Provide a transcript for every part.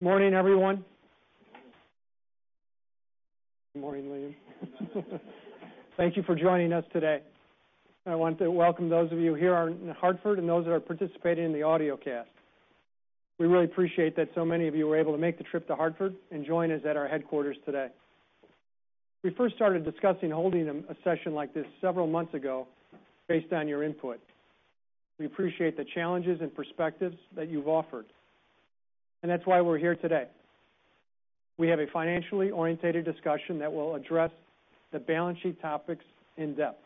Morning, everyone. Morning, Liam. Thank you for joining us today. I want to welcome those of you here in Hartford and those that are participating in the audiocast. We really appreciate that so many of you were able to make the trip to Hartford and join us at our headquarters today. We first started discussing holding a session like this several months ago based on your input. We appreciate the challenges and perspectives that you've offered, and that's why we're here today. We have a financially oriented discussion that will address the balance sheet topics in depth.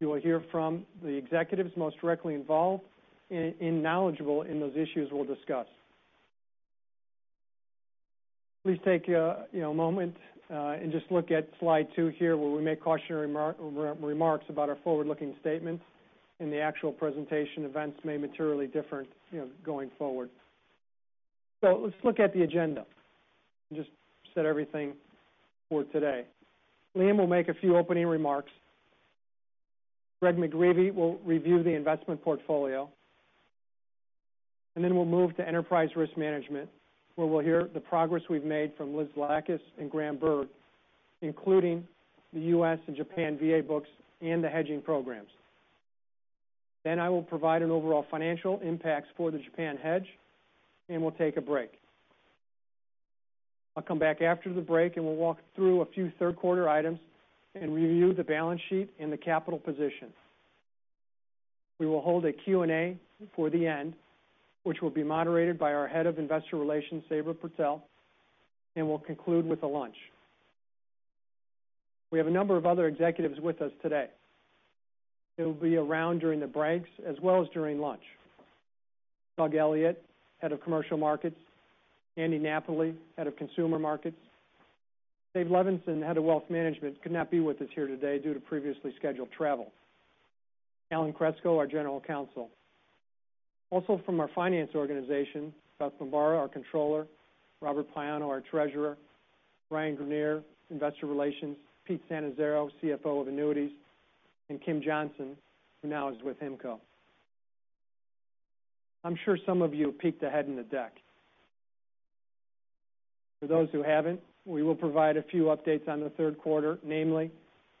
You will hear from the executives most directly involved and knowledgeable in those issues we'll discuss. Please take a moment and just look at slide two here, where we make cautionary remarks about our forward-looking statements. In the actual presentation, events may materially different going forward. Let's look at the agenda and just set everything for today. Liam will make a few opening remarks. Greg McGreevy will review the investment portfolio, and then we'll move to Enterprise Risk Management, where we'll hear the progress we've made from Liz Zlatkus and Graham Bird, including the U.S. and Japan VA books and the hedging programs. I will provide an overall financial impact for the Japan hedge, and we'll take a break. I'll come back after the break, and we'll walk through a few third quarter items and review the balance sheet and the capital position. We will hold a Q&A for the end, which will be moderated by our Head of Investor Relations, Sabra Purtell, and we'll conclude with a lunch. We have a number of other executives with us today. They'll be around during the breaks as well as during lunch. Doug Elliott, Head of Commercial Markets, Andy Napoli, Head of Consumer Markets. Dave Levinson, Head of Wealth Management, could not be with us here today due to previously scheduled travel. Alan Kresko, our General Counsel. Also from our Finance organization, Scott Bambara, our Controller, Robert Plaiano, our Treasurer, Brian Grenier, Investor Relations, Pete Sannizzaro, CFO of Annuities, and Kim Johnson, who now is with HIMCO. I'm sure some of you have peeked ahead in the deck. For those who haven't, we will provide a few updates on the third quarter, namely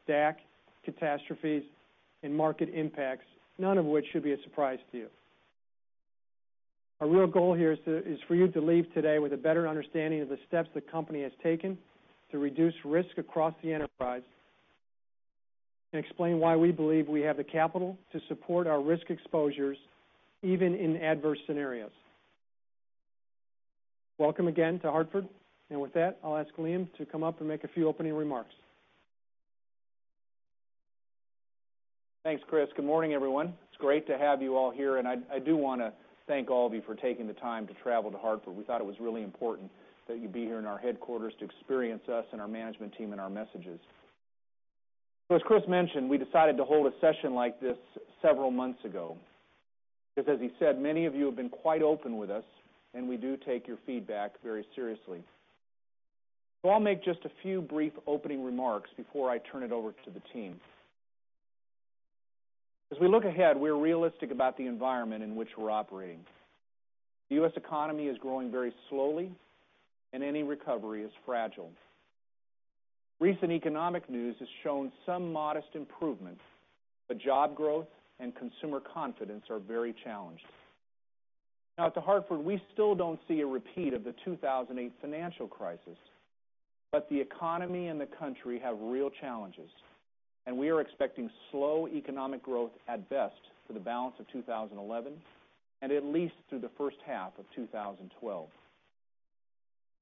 DAC, catastrophes, and market impacts, none of which should be a surprise to you. Our real goal here is for you to leave today with a better understanding of the steps the company has taken to reduce risk across the enterprise and explain why we believe we have the capital to support our risk exposures, even in adverse scenarios. Welcome again to Hartford. With that, I'll ask Liam to come up and make a few opening remarks. Thanks, Chris. Good morning, everyone. It's great to have you all here, and I do want to thank all of you for taking the time to travel to Hartford. We thought it was really important that you be here in our headquarters to experience us and our management team and our messages. As Chris mentioned, we decided to hold a session like this several months ago because, as he said, many of you have been quite open with us, and we do take your feedback very seriously. I'll make just a few brief opening remarks before I turn it over to the team. As we look ahead, we're realistic about the environment in which we're operating. The U.S. economy is growing very slowly, and any recovery is fragile. Recent economic news has shown some modest improvement, but job growth and consumer confidence are very challenged. At The Hartford, we still don't see a repeat of the 2008 financial crisis, but the economy and the country have real challenges, and we are expecting slow economic growth at best for the balance of 2011 and at least through the first half of 2012.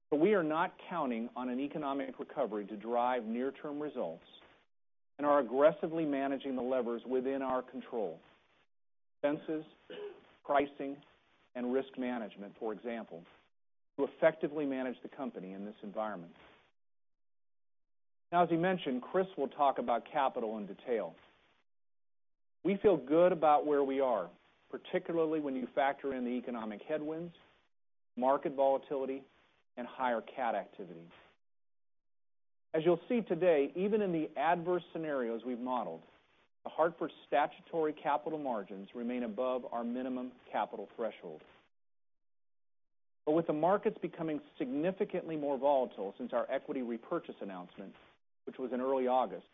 We are not counting on an economic recovery to drive near-term results and are aggressively managing the levers within our control, expenses, pricing, and risk management, for example, to effectively manage the company in this environment. As he mentioned, Chris will talk about capital in detail. We feel good about where we are, particularly when you factor in the economic headwinds, market volatility, and higher cat activity. As you'll see today, even in the adverse scenarios we've modeled, The Hartford statutory capital margins remain above our minimum capital threshold. With the markets becoming significantly more volatile since our equity repurchase announcement, which was in early August,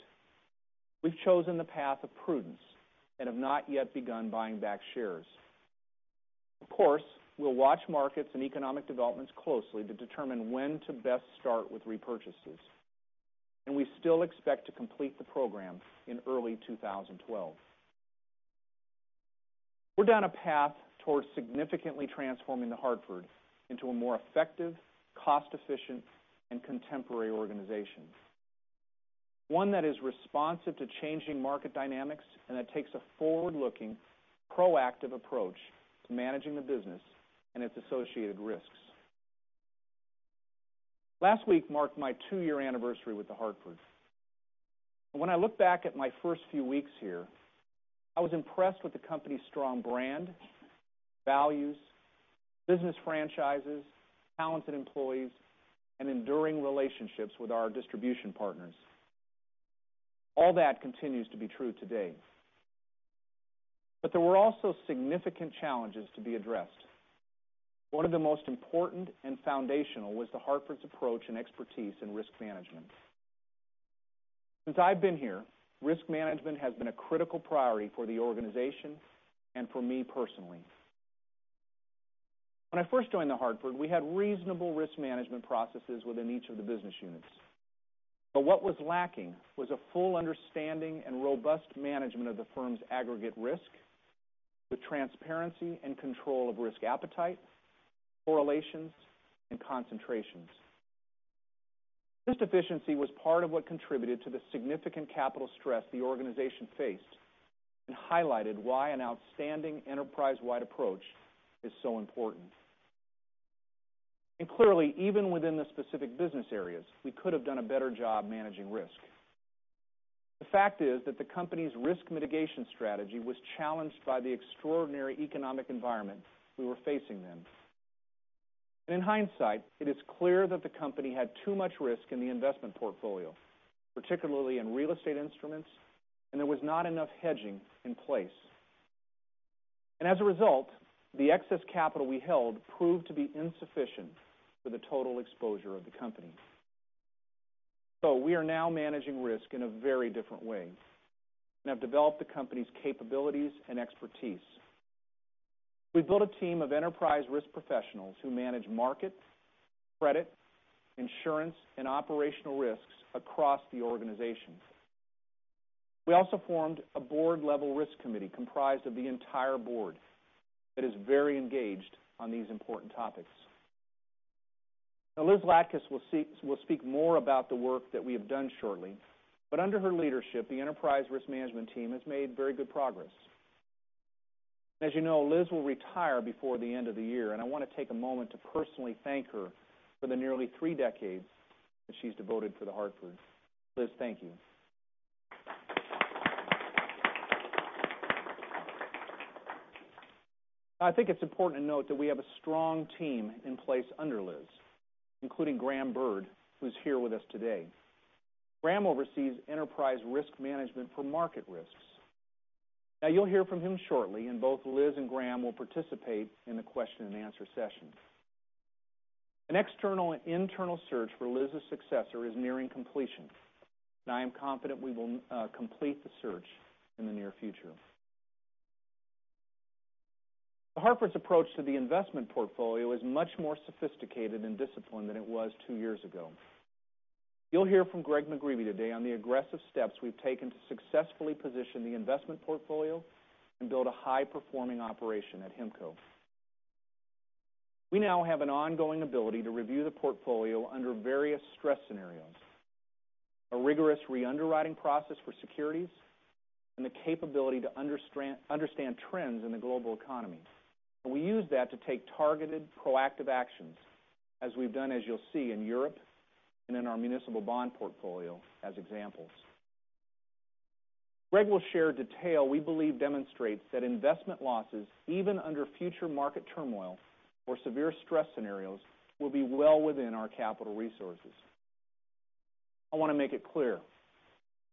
we've chosen the path of prudence and have not yet begun buying back shares. Of course, we'll watch markets and economic developments closely to determine when to best start with repurchases. We still expect to complete the program in early 2012. We're down a path towards significantly transforming The Hartford into a more effective, cost-efficient, and contemporary organization. One that is responsive to changing market dynamics and that takes a forward-looking, proactive approach to managing the business and its associated risks. Last week marked my two-year anniversary with The Hartford. When I look back at my first few weeks here, I was impressed with the company's strong brand, values, business franchises, talented employees, and enduring relationships with our distribution partners. All that continues to be true today. There were also significant challenges to be addressed. One of the most important and foundational was The Hartford's approach and expertise in risk management. Since I've been here, risk management has been a critical priority for the organization and for me personally. When I first joined The Hartford, we had reasonable risk management processes within each of the business units. What was lacking was a full understanding and robust management of the firm's aggregate risk with transparency and control of risk appetite, correlations, and concentrations. This deficiency was part of what contributed to the significant capital stress the organization faced and highlighted why an outstanding enterprise-wide approach is so important. Clearly, even within the specific business areas, we could have done a better job managing risk. The fact is that the company's risk mitigation strategy was challenged by the extraordinary economic environment we were facing then. In hindsight, it is clear that the company had too much risk in the investment portfolio, particularly in real estate instruments, and there was not enough hedging in place. As a result, the excess capital we held proved to be insufficient for the total exposure of the company. We are now managing risk in a very different way and have developed the company's capabilities and expertise. We've built a team of enterprise risk professionals who manage market, credit, insurance, and operational risks across the organization. We also formed a board-level risk committee comprised of the entire board that is very engaged on these important topics. Liz Zlatkus will speak more about the work that we have done shortly, but under her leadership, the enterprise risk management team has made very good progress. As you know, Liz will retire before the end of the year, and I want to take a moment to personally thank her for the nearly three decades that she's devoted to The Hartford. Liz, thank you. I think it's important to note that we have a strong team in place under Liz, including Graham Bird, who's here with us today. Graham oversees enterprise risk management for market risks. You'll hear from him shortly, and both Liz and Graham will participate in the question and answer session. An external and internal search for Liz's successor is nearing completion. I am confident we will complete the search in the near future. The Hartford's approach to the investment portfolio is much more sophisticated and disciplined than it was two years ago. You'll hear from Greg McGreevy today on the aggressive steps we've taken to successfully position the investment portfolio and build a high-performing operation at HIMCO. We now have an ongoing ability to review the portfolio under various stress scenarios, a rigorous re-underwriting process for securities, and the capability to understand trends in the global economy. We use that to take targeted, proactive actions as we've done, as you'll see in Europe and in our municipal bond portfolio as examples. Greg will share detail we believe demonstrates that investment losses, even under future market turmoil or severe stress scenarios, will be well within our capital resources. I want to make it clear,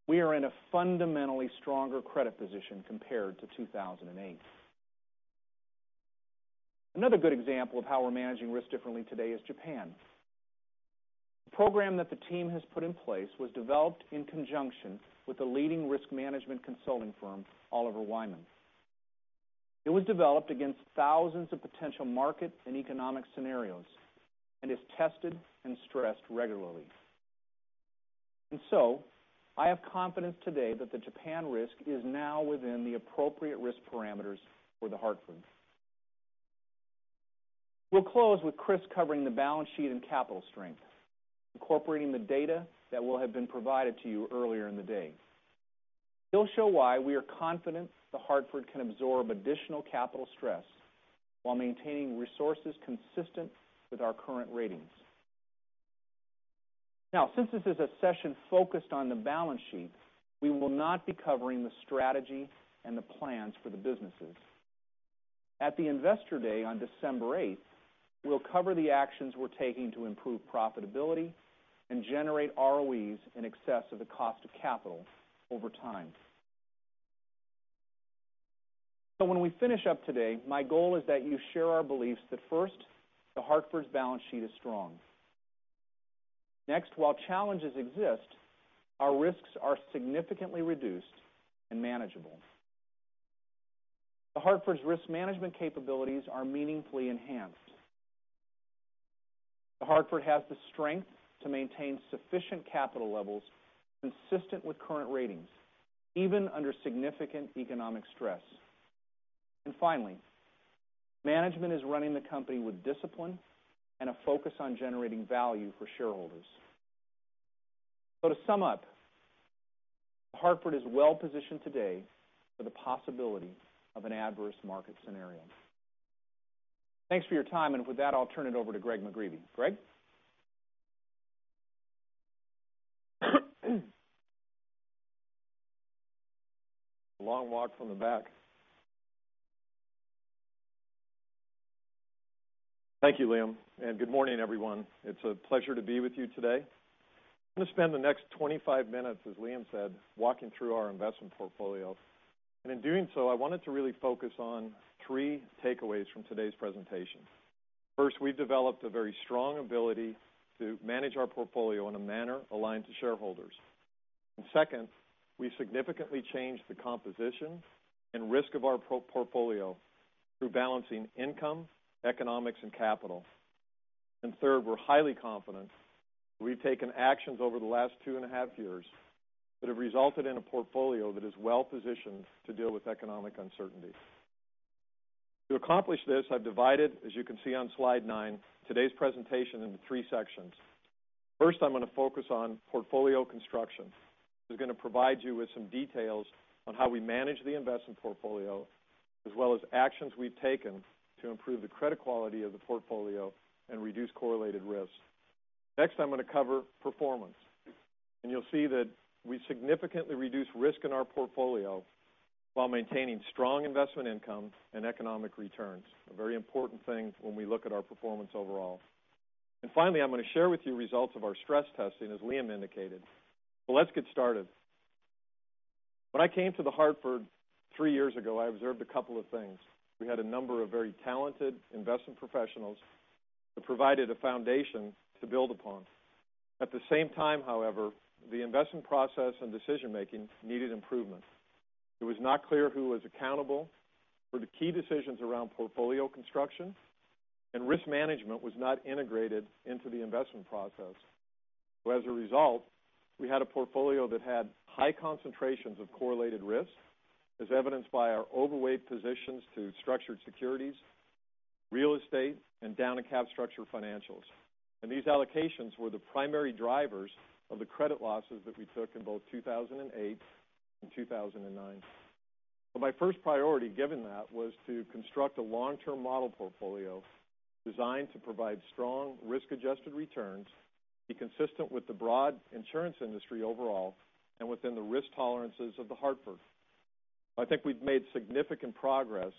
we are in a fundamentally stronger credit position compared to 2008. Another good example of how we're managing risk differently today is Japan. The program that the team has put in place was developed in conjunction with the leading risk management consulting firm, Oliver Wyman. It was developed against thousands of potential market and economic scenarios and is tested and stressed regularly. I have confidence today that the Japan risk is now within the appropriate risk parameters for The Hartford. We'll close with Chris covering the balance sheet and capital strength, incorporating the data that will have been provided to you earlier in the day. He'll show why we are confident The Hartford can absorb additional capital stress while maintaining resources consistent with our current ratings. Since this is a session focused on the balance sheet, we will not be covering the strategy and the plans for the businesses. At the Investor Day on December 8th, we'll cover the actions we're taking to improve profitability and generate ROEs in excess of the cost of capital over time. When we finish up today, my goal is that you share our beliefs that first, The Hartford's balance sheet is strong. Next, while challenges exist, our risks are significantly reduced and manageable. The Hartford's risk management capabilities are meaningfully enhanced. The Hartford has the strength to maintain sufficient capital levels consistent with current ratings, even under significant economic stress. Finally, management is running the company with discipline and a focus on generating value for shareholders. To sum up, The Hartford is well-positioned today for the possibility of an adverse market scenario. Thanks for your time, and with that, I'll turn it over to Greg McGreevy. Greg? Long walk from the back. Thank you, Liam, and good morning, everyone. It's a pleasure to be with you today. I'm going to spend the next 25 minutes, as Liam said, walking through our investment portfolio. In doing so, I wanted to really focus on three takeaways from today's presentation. First, we've developed a very strong ability to manage our portfolio in a manner aligned to shareholders. Second, we significantly changed the composition and risk of our portfolio through balancing income, economics, and capital. Third, we're highly confident that we've taken actions over the last two and a half years that have resulted in a portfolio that is well-positioned to deal with economic uncertainty. To accomplish this, I've divided, as you can see on slide nine, today's presentation into three sections. First, I'm going to focus on portfolio construction. This is going to provide you with some details on how we manage the investment portfolio, as well as actions we've taken to improve the credit quality of the portfolio and reduce correlated risks. Next, I'm going to cover performance. You'll see that we significantly reduced risk in our portfolio while maintaining strong investment income and economic returns, a very important thing when we look at our performance overall. Finally, I'm going to share with you results of our stress testing, as Liam indicated. Let's get started. When I came to The Hartford three years ago, I observed a couple of things. We had a number of very talented investment professionals that provided a foundation to build upon. At the same time, however, the investment process and decision making needed improvement. It was not clear who was accountable for the key decisions around portfolio construction, and risk management was not integrated into the investment process. As a result, we had a portfolio that had high concentrations of correlated risk, as evidenced by our overweight positions to structured securities, real estate, and down in cap structure financials. These allocations were the primary drivers of the credit losses that we took in both 2008 and 2009. My first priority, given that, was to construct a long-term model portfolio designed to provide strong risk-adjusted returns, be consistent with the broad insurance industry overall, and within the risk tolerances of The Hartford. I think we've made significant progress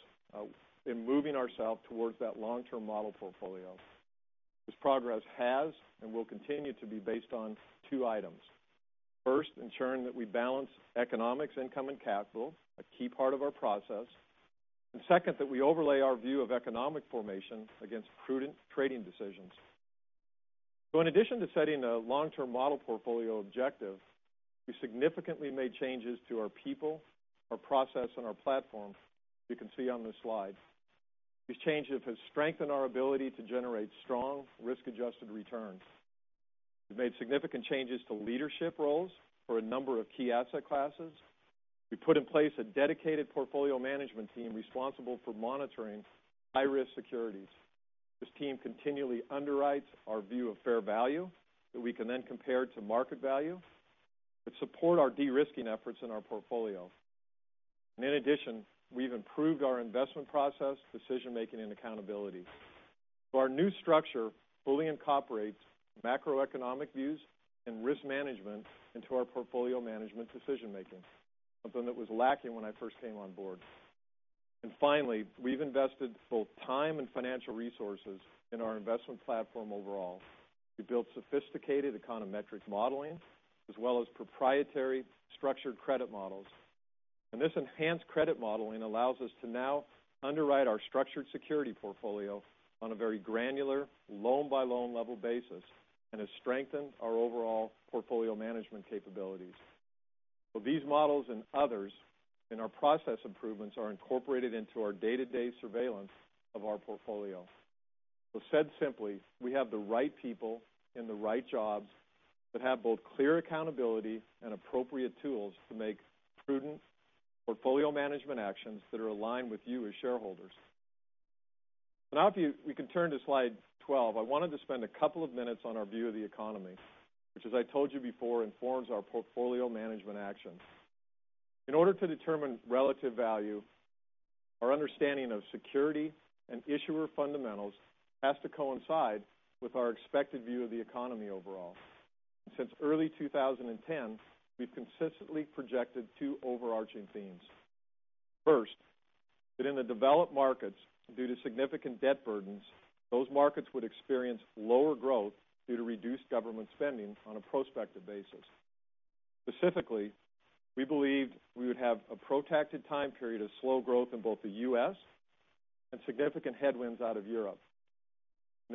in moving ourselves towards that long-term model portfolio. This progress has and will continue to be based on two items. First, ensuring that we balance economics, income, and capital, a key part of our process. Second, that we overlay our view of economic formation against prudent trading decisions. In addition to setting a long-term model portfolio objective, we significantly made changes to our people, our process, and our platform, as you can see on this slide. These changes have strengthened our ability to generate strong risk-adjusted returns. We've made significant changes to leadership roles for a number of key asset classes. We put in place a dedicated portfolio management team responsible for monitoring high-risk securities. This team continually underwrites our view of fair value that we can then compare to market value that support our de-risking efforts in our portfolio. In addition, we've improved our investment process, decision making, and accountability. Our new structure fully incorporates macroeconomic views and risk management into our portfolio management decision making, something that was lacking when I first came on board. Finally, we've invested both time and financial resources in our investment platform overall. We built sophisticated econometric modeling, as well as proprietary structured credit models. This enhanced credit modeling allows us to now underwrite our structured security portfolio on a very granular, loan-by-loan level basis, and has strengthened our overall portfolio management capabilities. These models and others in our process improvements are incorporated into our day-to-day surveillance of our portfolio. Said simply, we have the right people in the right jobs that have both clear accountability and appropriate tools to make prudent portfolio management actions that are aligned with you as shareholders. Now if we can turn to slide 12. I wanted to spend a couple of minutes on our view of the economy, which as I told you before, informs our portfolio management actions. In order to determine relative value, our understanding of security and issuer fundamentals has to coincide with our expected view of the economy overall. Since early 2010, we've consistently projected two overarching themes. First, that in the developed markets, due to significant debt burdens, those markets would experience lower growth due to reduced government spending on a prospective basis. Specifically, we believed we would have a protracted time period of slow growth in both the U.S. and significant headwinds out of Europe.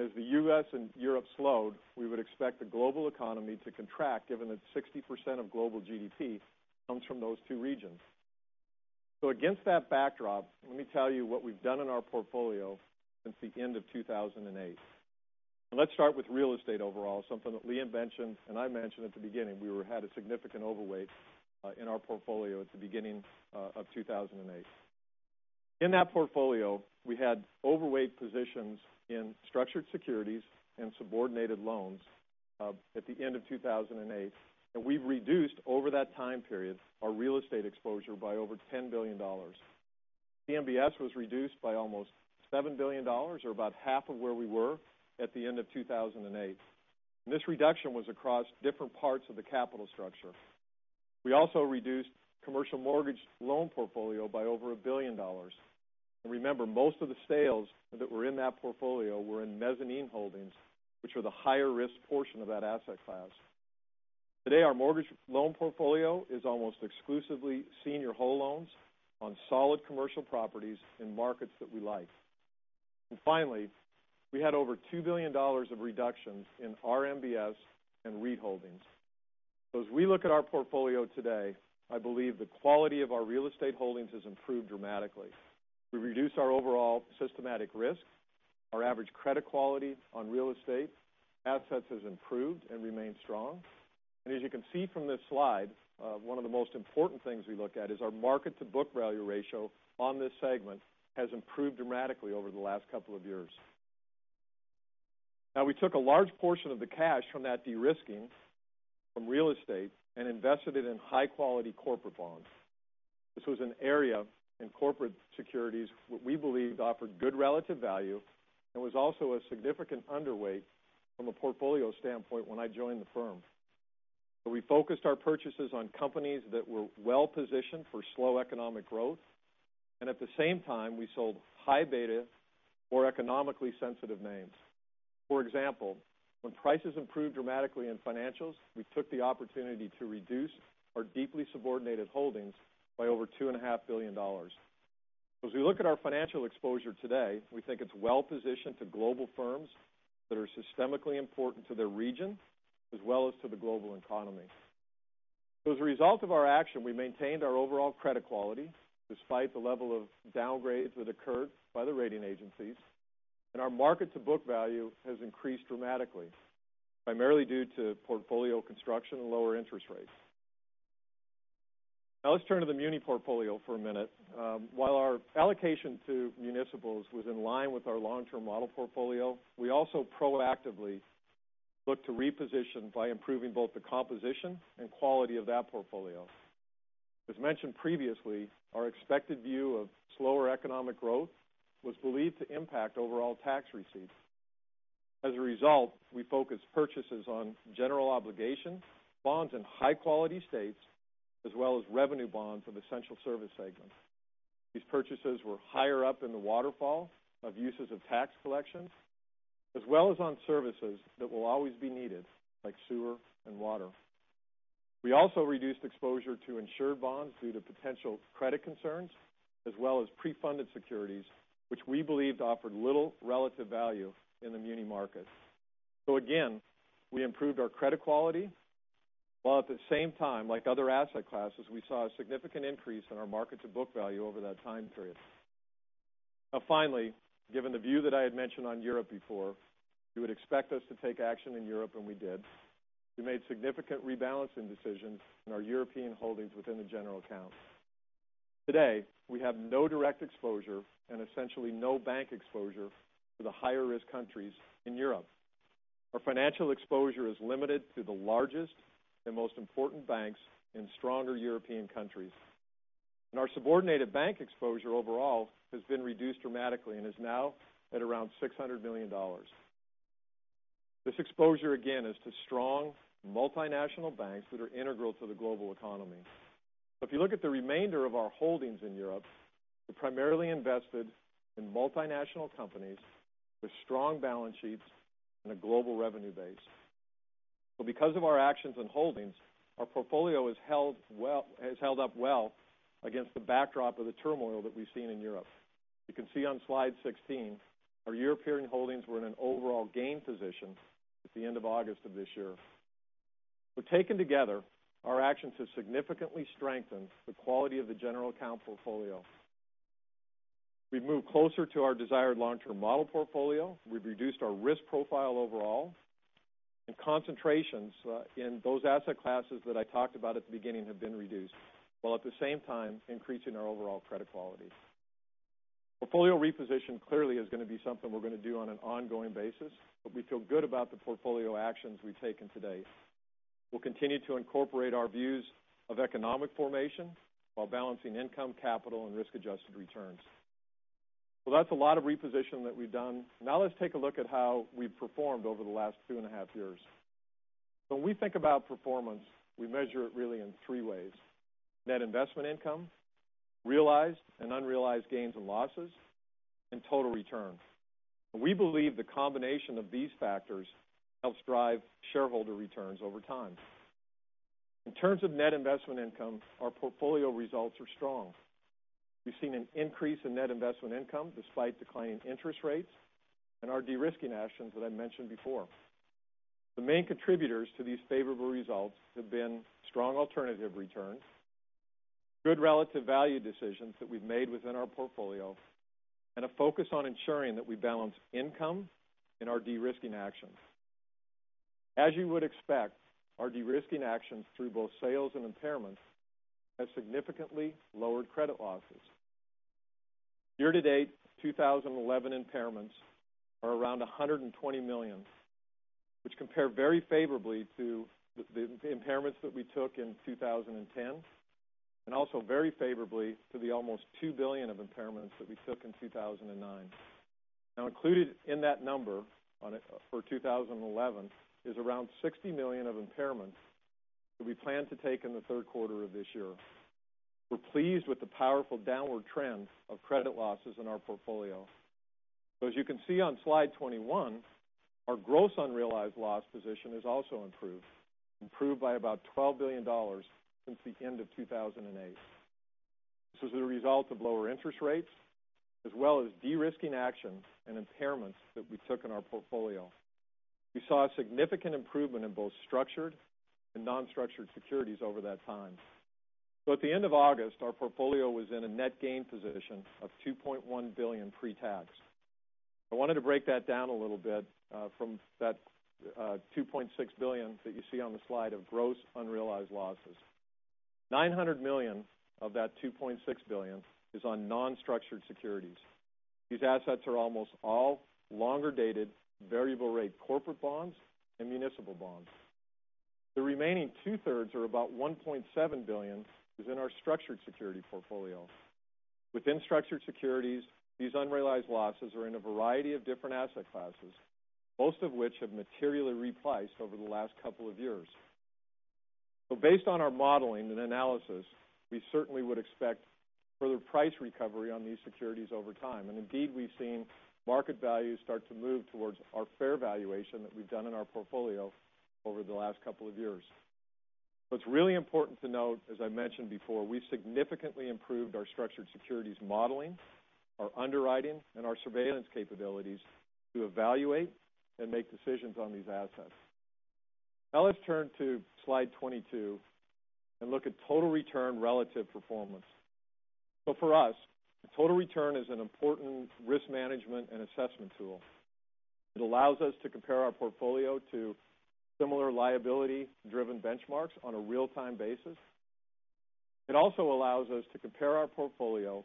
As the U.S. and Europe slowed, we would expect the global economy to contract given that 60% of global GDP comes from those two regions. Against that backdrop, let me tell you what we've done in our portfolio since the end of 2008. Let's start with real estate overall, something that Liam mentioned and I mentioned at the beginning. We had a significant overweight in our portfolio at the beginning of 2008. In that portfolio, we had overweight positions in structured securities and subordinated loans at the end of 2008. We've reduced over that time period our real estate exposure by over $10 billion. CMBS was reduced by almost $7 billion, or about half of where we were at the end of 2008. This reduction was across different parts of the capital structure. We also reduced commercial mortgage loan portfolio by over $1 billion. Remember, most of the sales that were in that portfolio were in mezzanine holdings, which are the higher risk portion of that asset class. Today, our mortgage loan portfolio is almost exclusively senior whole loans on solid commercial properties in markets that we like. Finally, we had over $2 billion of reductions in RMBS and REIT holdings. As we look at our portfolio today, I believe the quality of our real estate holdings has improved dramatically. We reduced our overall systematic risk. Our average credit quality on real estate assets has improved and remains strong. As you can see from this slide, one of the most important things we look at is our market to book value ratio on this segment has improved dramatically over the last couple of years. We took a large portion of the cash from that de-risking from real estate and invested it in high-quality corporate bonds. This was an area in corporate securities what we believed offered good relative value and was also a significant underweight from a portfolio standpoint when I joined the firm. We focused our purchases on companies that were well-positioned for slow economic growth. At the same time, we sold high beta or economically sensitive names. For example, when prices improved dramatically in financials, we took the opportunity to reduce our deeply subordinated holdings by over $2.5 billion. As we look at our financial exposure today, we think it's well positioned to global firms that are systemically important to their region, as well as to the global economy. As a result of our action, we maintained our overall credit quality despite the level of downgrades that occurred by the rating agencies, and our market to book value has increased dramatically, primarily due to portfolio construction and lower interest rates. Let's turn to the muni portfolio for a minute. While our allocation to municipals was in line with our long-term model portfolio, we also proactively looked to reposition by improving both the composition and quality of that portfolio. As mentioned previously, our expected view of slower economic growth was believed to impact overall tax receipts. As a result, we focused purchases on general obligation bonds in high-quality states, as well as revenue bonds from essential service segments. These purchases were higher up in the waterfall of uses of tax collections, as well as on services that will always be needed, like sewer and water. We also reduced exposure to insured bonds due to potential credit concerns, as well as pre-funded securities, which we believed offered little relative value in the muni market. Again, we improved our credit quality, while at the same time, like other asset classes, we saw a significant increase in our market to book value over that time period. Finally, given the view that I had mentioned on Europe before, you would expect us to take action in Europe and we did. We made significant rebalancing decisions in our European holdings within the general account. Today, we have no direct exposure and essentially no bank exposure to the higher risk countries in Europe. Our financial exposure is limited to the largest and most important banks in stronger European countries. Our subordinated bank exposure overall has been reduced dramatically and is now at around $600 million. This exposure, again, is to strong multinational banks that are integral to the global economy. If you look at the remainder of our holdings in Europe, we primarily invested in multinational companies with strong balance sheets and a global revenue base. Because of our actions and holdings, our portfolio has held up well against the backdrop of the turmoil that we've seen in Europe. You can see on slide 16, our European holdings were in an overall gain position at the end of August of this year. Taken together, our actions have significantly strengthened the quality of the general account portfolio. We've moved closer to our desired long-term model portfolio. We've reduced our risk profile overall, and concentrations in those asset classes that I talked about at the beginning have been reduced, while at the same time increasing our overall credit quality. Portfolio reposition clearly is going to be something we're going to do on an ongoing basis, but we feel good about the portfolio actions we've taken to date. We'll continue to incorporate our views of economic formation while balancing income, capital, and risk-adjusted returns. That's a lot of reposition that we've done. Now let's take a look at how we've performed over the last two and a half years. When we think about performance, we measure it really in three ways: net investment income, realized and unrealized gains and losses, and total return. We believe the combination of these factors helps drive shareholder returns over time. In terms of net investment income, our portfolio results are strong. We've seen an increase in net investment income despite declining interest rates and our de-risking actions that I mentioned before. The main contributors to these favorable results have been strong alternative returns, good relative value decisions that we've made within our portfolio, and a focus on ensuring that we balance income in our de-risking actions. As you would expect, our de-risking actions through both sales and impairments have significantly lowered credit losses. Year to date 2011 impairments are around $120 million, which compare very favorably to the impairments that we took in 2010. Also very favorably to the almost $2 billion of impairments that we took in 2009. Included in that number for 2011 is around $60 million of impairment that we plan to take in the third quarter of this year. We're pleased with the powerful downward trend of credit losses in our portfolio. As you can see on slide 21, our gross unrealized loss position has also improved. Improved by about $12 billion since the end of 2008. This is a result of lower interest rates as well as de-risking actions and impairments that we took in our portfolio. We saw a significant improvement in both structured and non-structured securities over that time. At the end of August, our portfolio was in a net gain position of $2.1 billion pre-tax. I wanted to break that down a little bit from that $2.6 billion that you see on the slide of gross unrealized losses. $900 million of that $2.6 billion is on non-structured securities. These assets are almost all longer-dated variable rate corporate bonds and municipal bonds. The remaining two-thirds are about $1.7 billion is in our structured security portfolio. Within structured securities, these unrealized losses are in a variety of different asset classes, most of which have materially re-priced over the last couple of years. Based on our modeling and analysis, we certainly would expect further price recovery on these securities over time. Indeed, we've seen market values start to move towards our fair valuation that we've done in our portfolio over the last couple of years. What's really important to note, as I mentioned before, we've significantly improved our structured securities modeling, our underwriting, and our surveillance capabilities to evaluate and make decisions on these assets. Let's turn to slide 22 and look at total return relative performance. For us, the total return is an important risk management and assessment tool. It allows us to compare our portfolio to similar liability-driven benchmarks on a real-time basis. It also allows us to compare our portfolio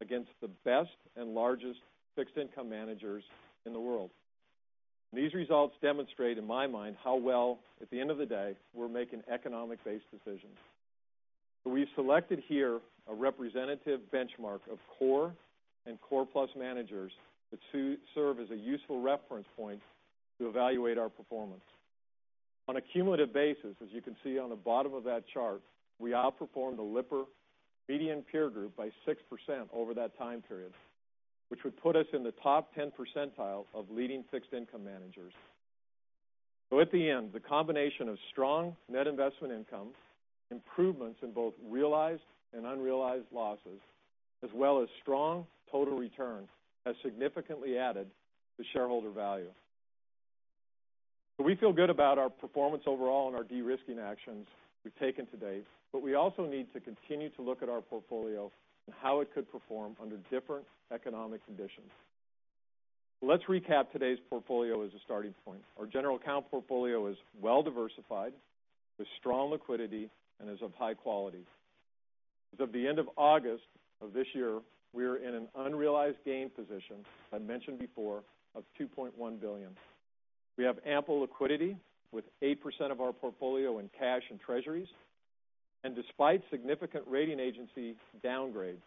against the best and largest fixed income managers in the world. These results demonstrate in my mind how well, at the end of the day, we're making economic-based decisions. We've selected here a representative benchmark of core and core plus managers that serve as a useful reference point to evaluate our performance. On a cumulative basis, as you can see on the bottom of that chart, we outperformed the Lipper Median Peer Group by 6% over that time period, which would put us in the top 10 percentile of leading fixed income managers. At the end, the combination of strong net investment income, improvements in both realized and unrealized losses, as well as strong total return, has significantly added to shareholder value. We feel good about our performance overall and our de-risking actions we've taken to date. We also need to continue to look at our portfolio and how it could perform under different economic conditions. Let's recap today's portfolio as a starting point. Our general account portfolio is well-diversified, with strong liquidity, and is of high quality. As of the end of August of this year, we are in an unrealized gain position, as I mentioned before, of $2.1 billion. We have ample liquidity with 8% of our portfolio in cash and treasuries. Despite significant rating agency downgrade,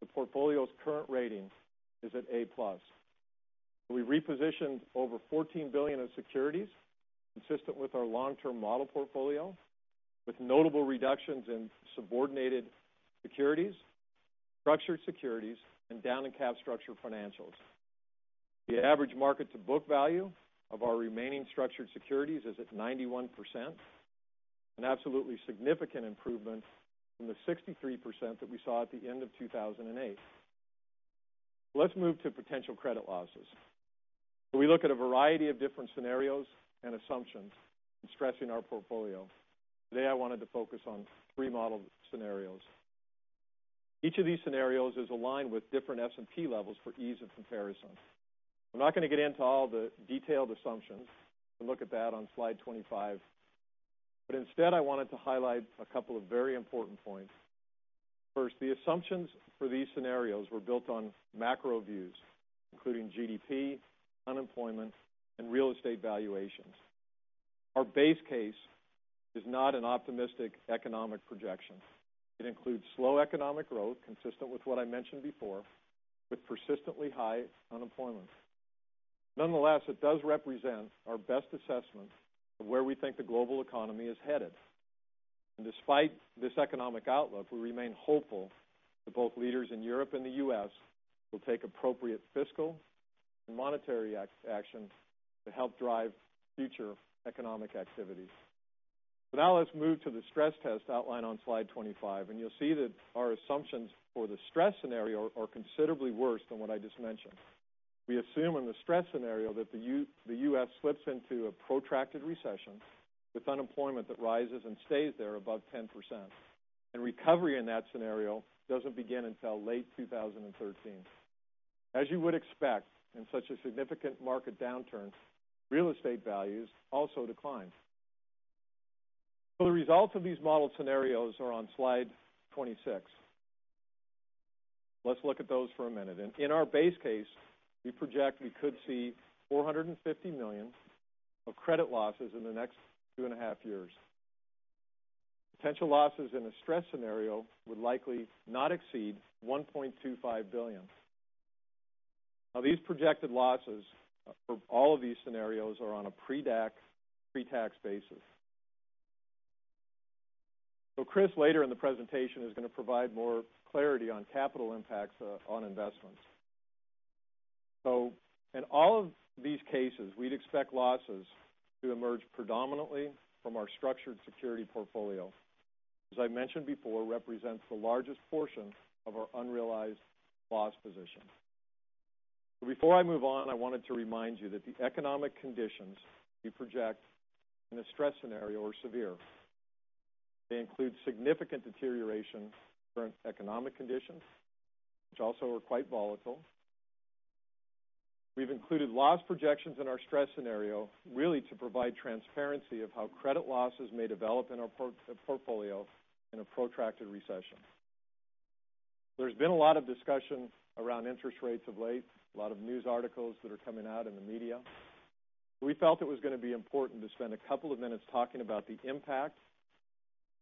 the portfolio's current rating is at A-plus. We repositioned over $14 billion of securities consistent with our long-term model portfolio, with notable reductions in subordinated securities, structured securities, and down in cap structure financials. The average market-to-book value of our remaining structured securities is at 91%, an absolutely significant improvement from the 63% that we saw at the end of 2008. Let's move to potential credit losses. We look at a variety of different scenarios and assumptions in stressing our portfolio. Today I wanted to focus on three model scenarios. Each of these scenarios is aligned with different S&P levels for ease of comparison. I'm not going to get into all the detailed assumptions. You can look at that on slide 25. Instead I wanted to highlight a couple of very important points. First, the assumptions for these scenarios were built on macro views, including GDP, unemployment, and real estate valuations. Our base case is not an optimistic economic projection. It includes slow economic growth consistent with what I mentioned before, with persistently high unemployment. Nonetheless, it does represent our best assessment of where we think the global economy is headed. Despite this economic outlook, we remain hopeful that both leaders in Europe and the U.S. will take appropriate fiscal and monetary action to help drive future economic activity. Let's move to the stress test outlined on slide 25, and you'll see that our assumptions for the stress scenario are considerably worse than what I just mentioned. We assume in the stress scenario that the U.S. slips into a protracted recession with unemployment that rises and stays there above 10%. Recovery in that scenario doesn't begin until late 2013. As you would expect in such a significant market downturn, real estate values also decline. The results of these model scenarios are on slide 26. Let's look at those for a minute. In our base case, we project we could see $450 million of credit losses in the next two and a half years. Potential losses in a stress scenario would likely not exceed $1.25 billion. These projected losses for all of these scenarios are on a pre-tax basis. Chris, later in the presentation, is going to provide more clarity on capital impacts on investments. In all of these cases, we'd expect losses to emerge predominantly from our structured security portfolio. As I mentioned before, represents the largest portion of our unrealized loss position. Before I move on, I wanted to remind you that the economic conditions we project in a stress scenario are severe. They include significant deterioration in current economic conditions, which also are quite volatile. We've included loss projections in our stress scenario really to provide transparency of how credit losses may develop in our portfolio in a protracted recession. There's been a lot of discussion around interest rates of late, a lot of news articles that are coming out in the media. We felt it was going to be important to spend a couple of minutes talking about the impact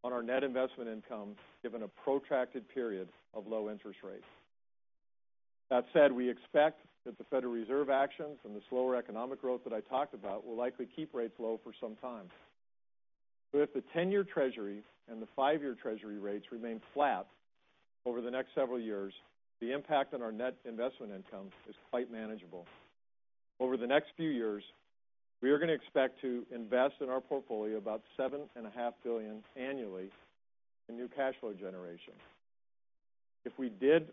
on our net investment income, given a protracted period of low interest rates. That said, we expect that the Federal Reserve actions and the slower economic growth that I talked about will likely keep rates low for some time. If the 10-year Treasury and the five-year Treasury rates remain flat over the next several years, the impact on our net investment income is quite manageable. Over the next few years, we are going to expect to invest in our portfolio about $7.5 billion annually in new cash flow generation. If we did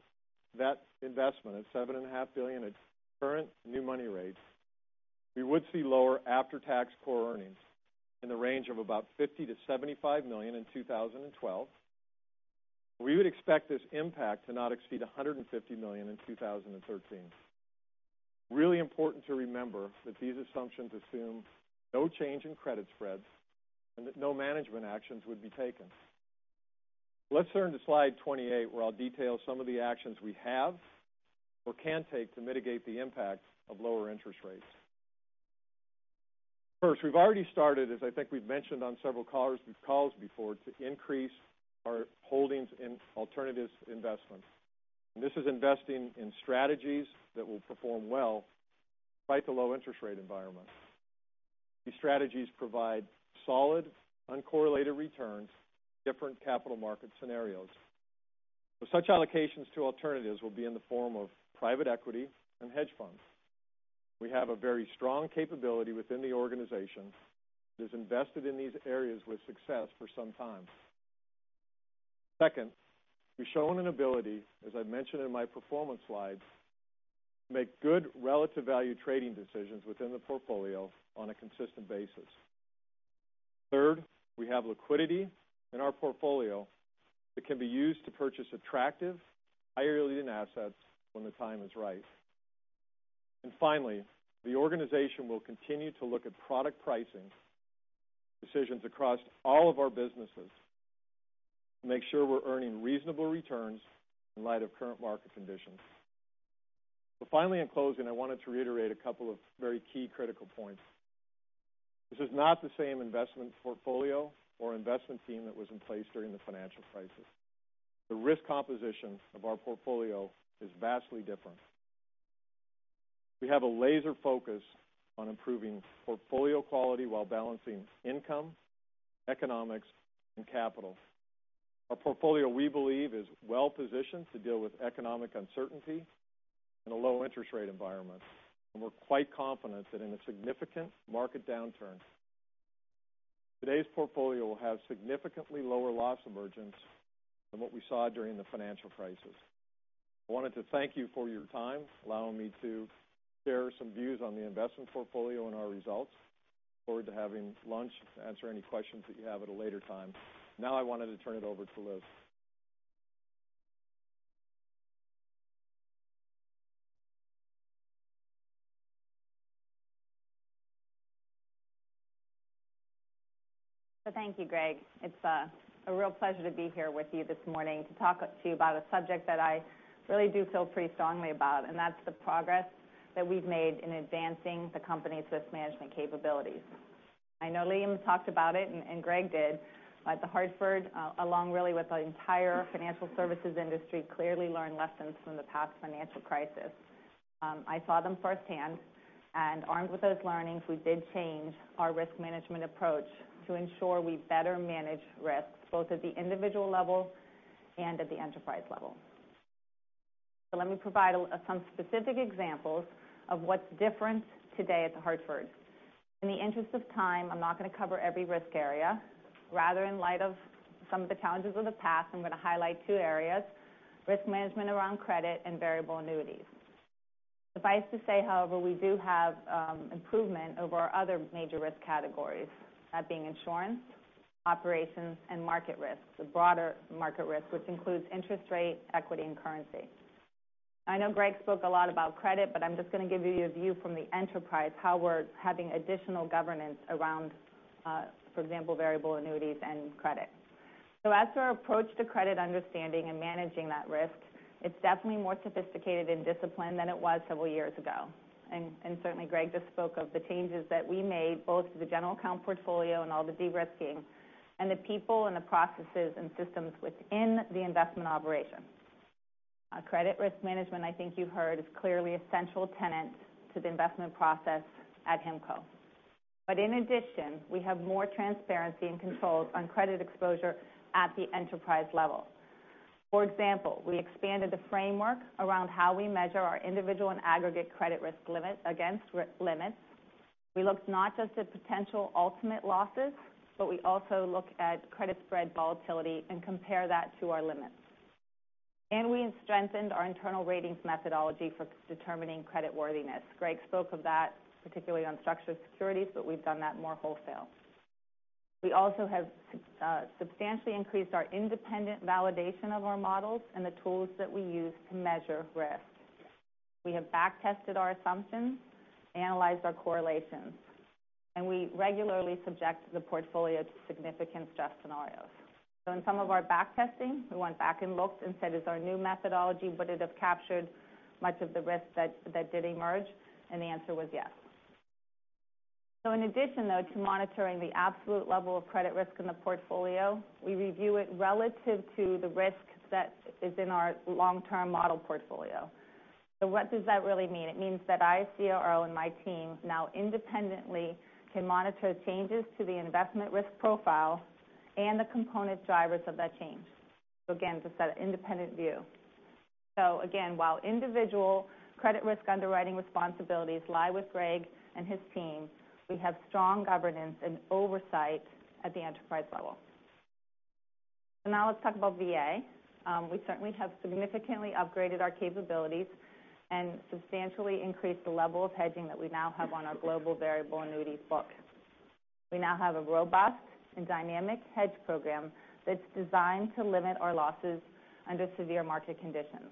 that investment of $7.5 billion at current new money rates, we would see lower after-tax core earnings in the range of about $50 million-$75 million in 2012. We would expect this impact to not exceed $150 million in 2013. Really important to remember that these assumptions assume no change in credit spreads and that no management actions would be taken. Let's turn to slide 28, where I'll detail some of the actions we have or can take to mitigate the impact of lower interest rates. First, we've already started, as I think we've mentioned on several calls before, to increase our holdings in alternatives investments. This is investing in strategies that will perform well despite the low interest rate environment. These strategies provide solid, uncorrelated returns in different capital market scenarios. Such allocations to alternatives will be in the form of private equity and hedge funds. We have a very strong capability within the organization that has invested in these areas with success for some time. Second, we've shown an ability, as I mentioned in my performance slide, to make good relative value trading decisions within the portfolio on a consistent basis. Third, we have liquidity in our portfolio that can be used to purchase attractive, higher yielding assets when the time is right. Finally, the organization will continue to look at product pricing decisions across all of our businesses to make sure we're earning reasonable returns in light of current market conditions. Finally, in closing, I wanted to reiterate a couple of very key critical points. This is not the same investment portfolio or investment team that was in place during the financial crisis. The risk composition of our portfolio is vastly different. We have a laser focus on improving portfolio quality while balancing income, economics, and capital. Our portfolio, we believe, is well-positioned to deal with economic uncertainty in a low interest rate environment, and we're quite confident that in a significant market downturn, today's portfolio will have significantly lower loss emergence than what we saw during the financial crisis. I wanted to thank you for your time, allowing me to share some views on the investment portfolio and our results. I look forward to having lunch to answer any questions that you have at a later time. Now I wanted to turn it over to Liz. Thank you, Greg. It's a real pleasure to be here with you this morning to talk to you about a subject that I really do feel pretty strongly about, and that's the progress that we've made in advancing the company's risk management capabilities. I know Liam talked about it and Greg did, The Hartford, along really with the entire financial services industry, clearly learned lessons from the past financial crisis. I saw them firsthand. Armed with those learnings, we did change our risk management approach to ensure we better manage risks, both at the individual level and at the enterprise level. Let me provide some specific examples of what's different today at The Hartford. In the interest of time, I'm not going to cover every risk area. Rather, in light of some of the challenges of the past, I'm going to highlight two areas, risk management around credit and variable annuities. Suffice to say, however, we do have improvement over our other major risk categories. That being insurance, operations, and market risks. The broader market risk, which includes interest rate, equity, and currency. I know Greg spoke a lot about credit, I'm just going to give you a view from the enterprise, how we're having additional governance around, for example, variable annuities and credit. As to our approach to credit understanding and managing that risk, it's definitely more sophisticated and disciplined than it was several years ago. Certainly, Greg just spoke of the changes that we made, both to the general account portfolio and all the de-risking, and the people and the processes and systems within the investment operation. Our credit risk management, I think you've heard, is clearly essential tenet to the investment process at HIMCO. In addition, we have more transparency and controls on credit exposure at the enterprise level. For example, we expanded the framework around how we measure our individual and aggregate credit risk limit against limits. We looked not just at potential ultimate losses, but we also look at credit spread volatility and compare that to our limits. We strengthened our internal ratings methodology for determining credit worthiness. Greg spoke of that, particularly on structured securities, but we've done that more wholesale. We also have substantially increased our independent validation of our models and the tools that we use to measure risk. We have back-tested our assumptions, analyzed our correlations, we regularly subject the portfolio to significant stress scenarios. In some of our back testing, we went back and looked and said, "Is our new methodology, would it have captured much of the risk that did emerge?" The answer was yes. In addition, though, to monitoring the absolute level of credit risk in the portfolio, we review it relative to the risk that is in our long-term model portfolio. What does that really mean? It means that I, CRO, and my team now independently can monitor changes to the investment risk profile and the component drivers of that change. Again, just that independent view. Again, while individual credit risk underwriting responsibilities lie with Greg and his team, we have strong governance and oversight at the enterprise level. Now let's talk about VA. We certainly have significantly upgraded our capabilities and substantially increased the level of hedging that we now have on our global variable annuities book. We now have a robust and dynamic hedge program that's designed to limit our losses under severe market conditions.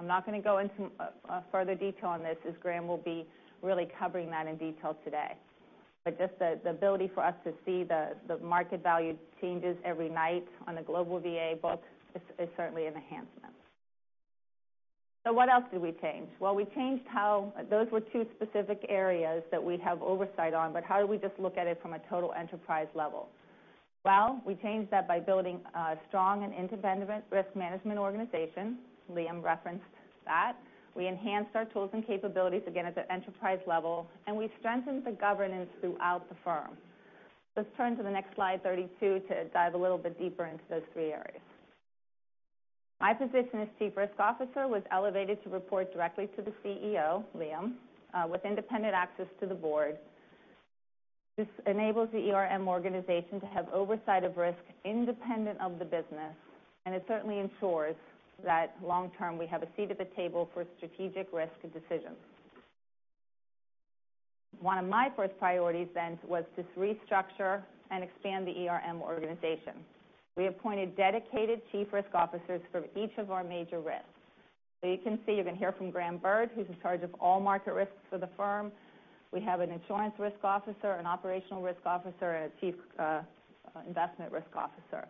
I'm not going to go into further detail on this, as Graham will be really covering that in detail today. Just the ability for us to see the market value changes every night on a global VA book is certainly an enhancement. What else did we change? We changed how those were two specific areas that we have oversight on, but how do we just look at it from a total enterprise level? We changed that by building a strong and independent risk management organization. Liam referenced that. We enhanced our tools and capabilities, again, at the enterprise level, we strengthened the governance throughout the firm. Let's turn to the next slide, 32, to dive a little bit deeper into those three areas. My position as Chief Risk Officer was elevated to report directly to the CEO, Liam, with independent access to the board. This enables the ERM organization to have oversight of risk independent of the business, it certainly ensures that long term we have a seat at the table for strategic risk decisions. One of my first priorities was to restructure and expand the ERM organization. We appointed dedicated Chief Risk Officers for each of our major risks. You can see, you're going to hear from Graham Bird, who's in charge of all market risks for the firm. We have an insurance risk officer, an operational risk officer, and a chief investment risk officer.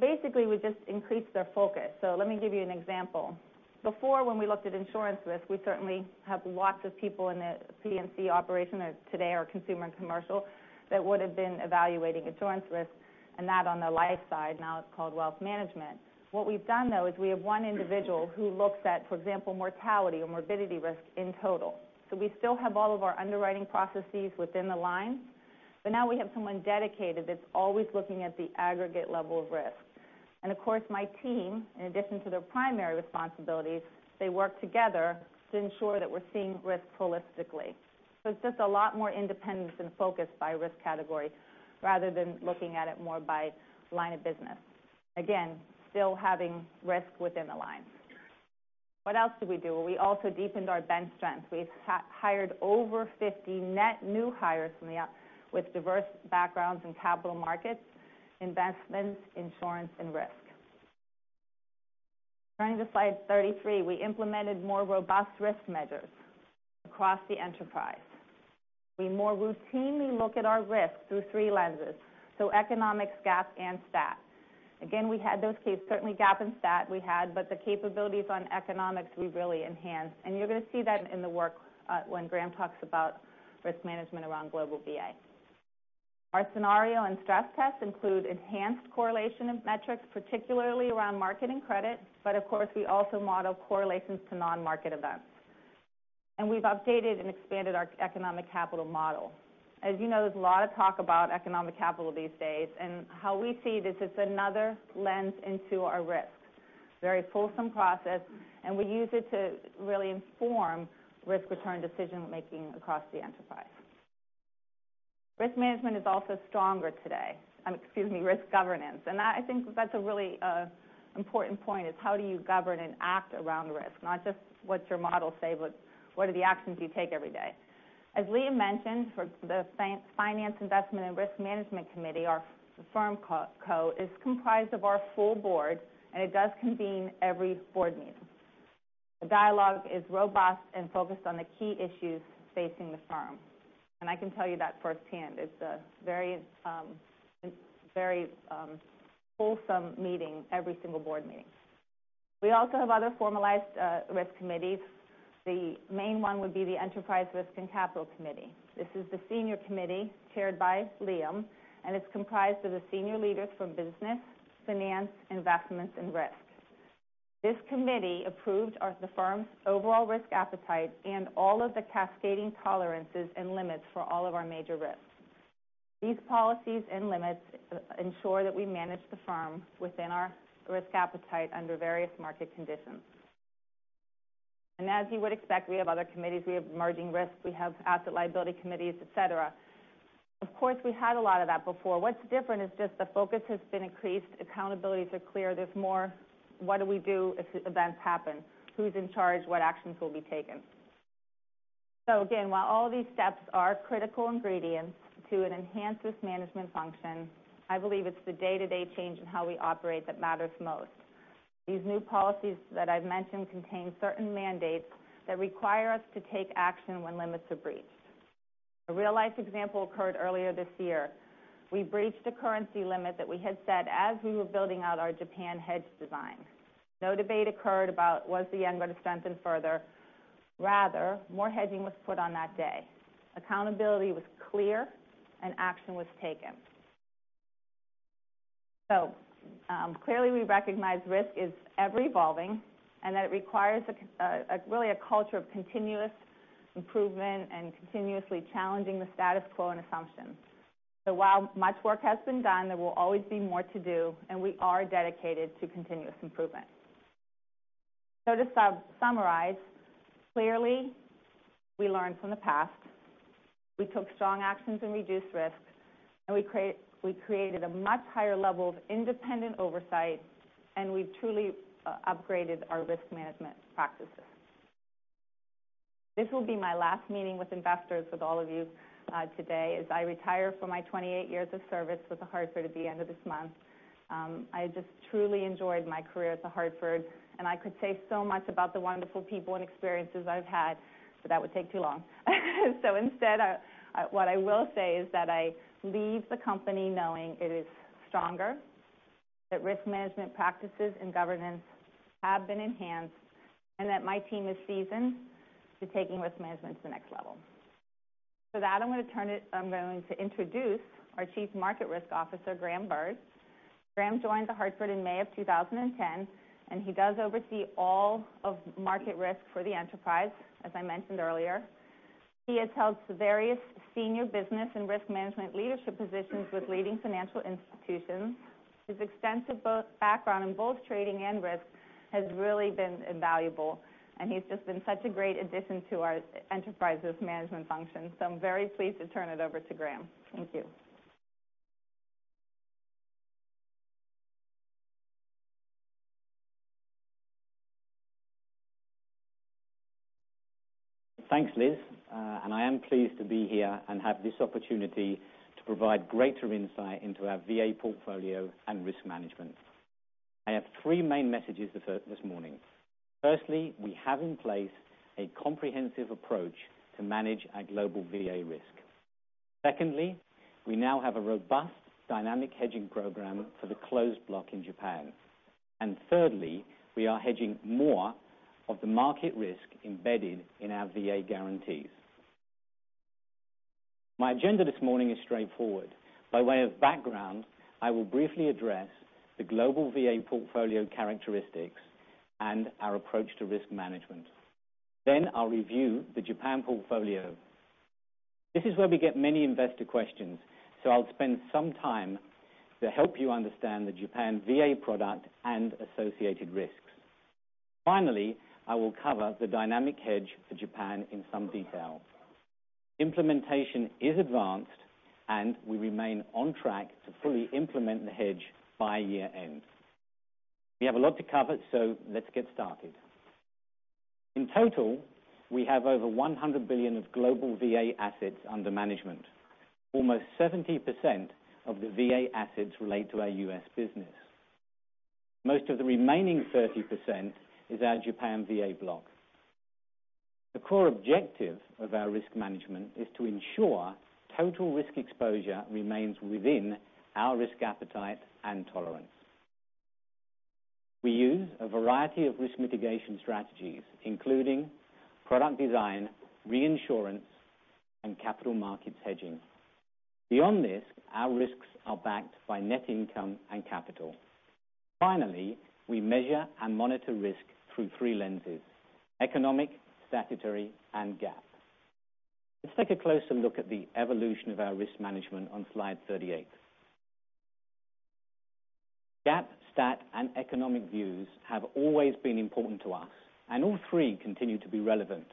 Basically, we just increased their focus. Let me give you an example. Before, when we looked at insurance risk, we certainly have lots of people in the P&C operation today, our consumer and commercial, that would have been evaluating insurance risk and that on the life side. Now it's called wealth management. What we've done, though, is we have one individual who looks at, for example, mortality or morbidity risk in total. We still have all of our underwriting processes within the line, but now we have someone dedicated that's always looking at the aggregate level of risk. Of course, my team, in addition to their primary responsibilities, they work together to ensure that we're seeing risk holistically. It's just a lot more independent and focused by risk category rather than looking at it more by line of business. Again, still having risk within the lines. What else did we do? We also deepened our bench strength. We hired over 50 net new hires from the out with diverse backgrounds in capital markets, investments, insurance, and risk. Turning to slide 33, we implemented more robust risk measures across the enterprise. We more routinely look at our risk through three lenses, so economics, GAAP, and stat. Again, we had those capabilities, certainly GAAP and stat we had, but the capabilities on economics, we've really enhanced. You're going to see that in the work when Graham talks about risk management around global VA. Our scenario and stress tests include enhanced correlation and metrics, particularly around market and credit. Of course, we also model correlations to non-market events. We've updated and expanded our economic capital model. As you know, there's a lot of talk about economic capital these days, and how we see it is it's another lens into our risk. Very fulsome process, and we use it to really inform risk-return decision-making across the enterprise. Risk management is also stronger today. Excuse me, risk governance. I think that's a really important point is how do you govern and act around risk, not just what's your model say, but what are the actions you take every day? As Liam mentioned, for the Finance, Investment and Risk Management Committee, our FIRMCo is comprised of our full board, and it does convene every board meeting. The dialogue is robust and focused on the key issues facing the firm, and I can tell you that firsthand. It's a very wholesome meeting every single board meeting. We also have other formalized risk committees. The main one would be the Enterprise Risk and Capital Committee. This is the senior committee chaired by Liam, and it's comprised of the senior leaders from business, finance, investments, and risk. This committee approved the firm's overall risk appetite and all of the cascading tolerances and limits for all of our major risks. These policies and limits ensure that we manage the firm within our risk appetite under various market conditions. As you would expect, we have other committees. We have emerging risks, we have asset liability committees, et cetera. Of course, we had a lot of that before. What's different is just the focus has been increased. Accountabilities are clear. There's more what do we do if events happen? Who's in charge? What actions will be taken? Again, while all these steps are critical ingredients to an enhanced risk management function, I believe it's the day-to-day change in how we operate that matters most. These new policies that I've mentioned contain certain mandates that require us to take action when limits are breached. A real life example occurred earlier this year. We breached a currency limit that we had set as we were building out our Japan hedge design. No debate occurred about was the yen going to strengthen further. Rather, more hedging was put on that day. Accountability was clear, and action was taken. Clearly, we recognize risk is ever evolving and that it requires really a culture of continuous improvement and continuously challenging the status quo and assumptions. While much work has been done, there will always be more to do, and we are dedicated to continuous improvement. To summarize, clearly, we learned from the past. We took strong actions and reduced risks. We created a much higher level of independent oversight, and we've truly upgraded our risk management practices. This will be my last meeting with investors with all of you today, as I retire from my 28 years of service with The Hartford at the end of this month. I just truly enjoyed my career at The Hartford, and I could say so much about the wonderful people and experiences I've had, but that would take too long. Instead, what I will say is that I leave the company knowing it is stronger, that risk management practices and governance have been enhanced, and that my team is seasoned to taking risk management to the next level. That, I'm going to introduce our Chief Market Risk Officer, Graham Bird. Graham joined The Hartford in May of 2010. He does oversee all of market risk for the enterprise, as I mentioned earlier. He has held various senior business and risk management leadership positions with leading financial institutions. His extensive background in both trading and risk has really been invaluable, and he's just been such a great addition to our enterprise's management function. I'm very pleased to turn it over to Graham. Thank you. Thanks, Liz. I am pleased to be here and have this opportunity to provide greater insight into our VA portfolio and risk management. I have three main messages this morning. Firstly, we have in place a comprehensive approach to manage our global VA risk. Secondly, we now have a robust dynamic hedging program for the closed block in Japan. Thirdly, we are hedging more of the market risk embedded in our VA guarantees. My agenda this morning is straightforward. By way of background, I will briefly address the global VA portfolio characteristics and our approach to risk management. I'll review the Japan portfolio. This is where we get many investor questions, so I'll spend some time to help you understand the Japan VA product and associated risks. Finally, I will cover the dynamic hedge for Japan in some detail. Implementation is advanced, and we remain on track to fully implement the hedge by year-end. We have a lot to cover. Let's get started. In total, we have over $100 billion of global VA assets under management. Almost 70% of the VA assets relate to our U.S. business. Most of the remaining 30% is our Japan VA block. The core objective of our risk management is to ensure total risk exposure remains within our risk appetite and tolerance. We use a variety of risk mitigation strategies, including product design, reinsurance, and capital markets hedging. Beyond this, our risks are backed by net income and capital. Finally, we measure and monitor risk through three lenses, economic, statutory, and GAAP. Let's take a closer look at the evolution of our risk management on slide 38. GAAP, stat, and economic views have always been important to us, and all three continue to be relevant.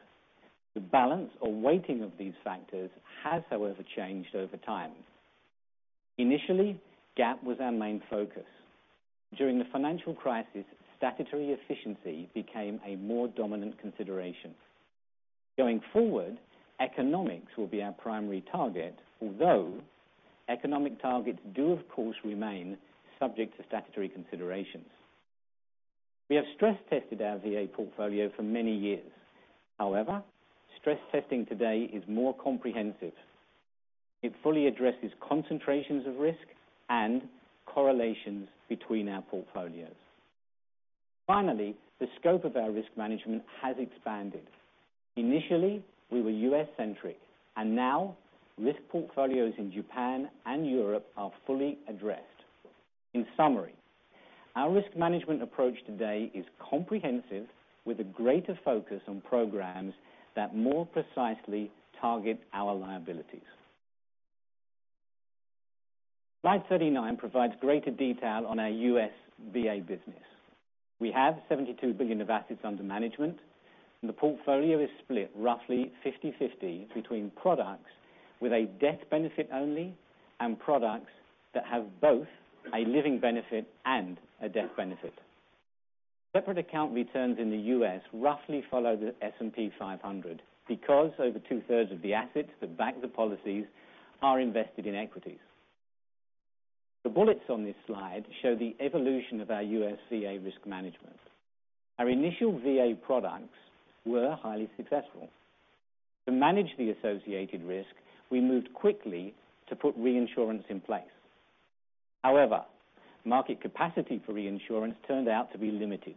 The balance or weighting of these factors has, however, changed over time. Initially, GAAP was our main focus. During the financial crisis, statutory efficiency became a more dominant consideration. Going forward, economics will be our primary target, although economic targets do of course remain subject to statutory considerations. We have stress tested our VA portfolio for many years. However, stress testing today is more comprehensive. It fully addresses concentrations of risk and correlations between our portfolios. Finally, the scope of our risk management has expanded. Initially, we were U.S.-centric and now risk portfolios in Japan and Europe are fully addressed. In summary, our risk management approach today is comprehensive with a greater focus on programs that more precisely target our liabilities. Slide 39 provides greater detail on our U.S. VA business. We have $72 billion of assets under management, and the portfolio is split roughly 50/50 between products with a death benefit only and products that have both a living benefit and a death benefit. Separate account returns in the U.S. roughly follow the S&P 500 because over two-thirds of the assets that back the policies are invested in equities. The bullets on this slide show the evolution of our U.S. VA risk management. Our initial VA products were highly successful. To manage the associated risk, we moved quickly to put reinsurance in place. However, market capacity for reinsurance turned out to be limited.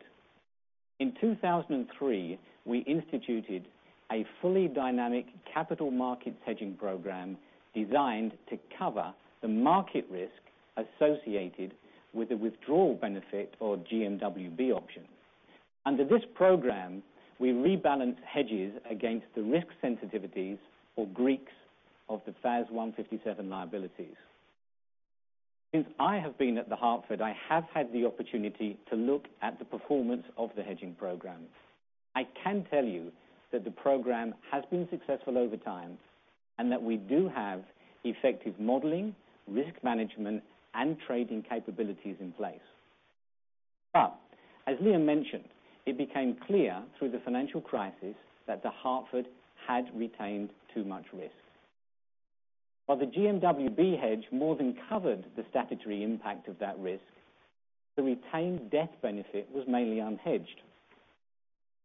In 2003, we instituted a fully dynamic capital markets hedging program designed to cover the market risk associated with the withdrawal benefit or GMWB option. Under this program, we rebalance hedges against the risk sensitivities or Greeks of the FAS 157 liabilities. Since I have been at The Hartford, I have had the opportunity to look at the performance of the hedging program. I can tell you that the program has been successful over time, and that we do have effective modeling, risk management, and trading capabilities in place. As Liam mentioned, it became clear through the financial crisis that The Hartford had retained too much risk. While the GMWB hedge more than covered the statutory impact of that risk, the retained death benefit was mainly unhedged.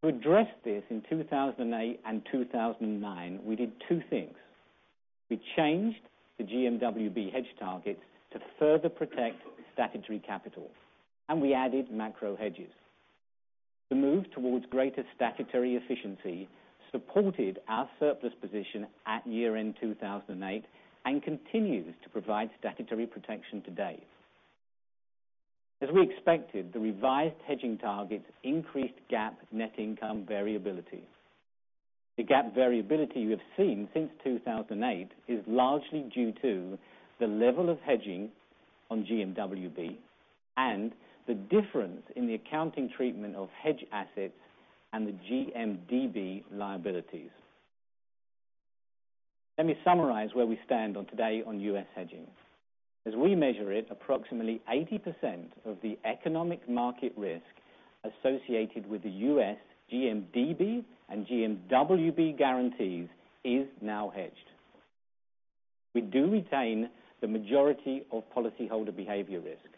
To address this in 2008 and 2009, we did two things. We changed the GMWB hedge targets to further protect statutory capital, and we added macro hedges. The move towards greater statutory efficiency supported our surplus position at year-end 2008 and continues to provide statutory protection today. As we expected, the revised hedging targets increased GAAP net income variability. The GAAP variability we have seen since 2008 is largely due to the level of hedging on GMWB, and the difference in the accounting treatment of hedge assets and the GMDB liabilities. Let me summarize where we stand today on U.S. hedging. As we measure it, approximately 80% of the economic market risk associated with the U.S. GMDB and GMWB guarantees is now hedged. We do retain the majority of policyholder behavior risk,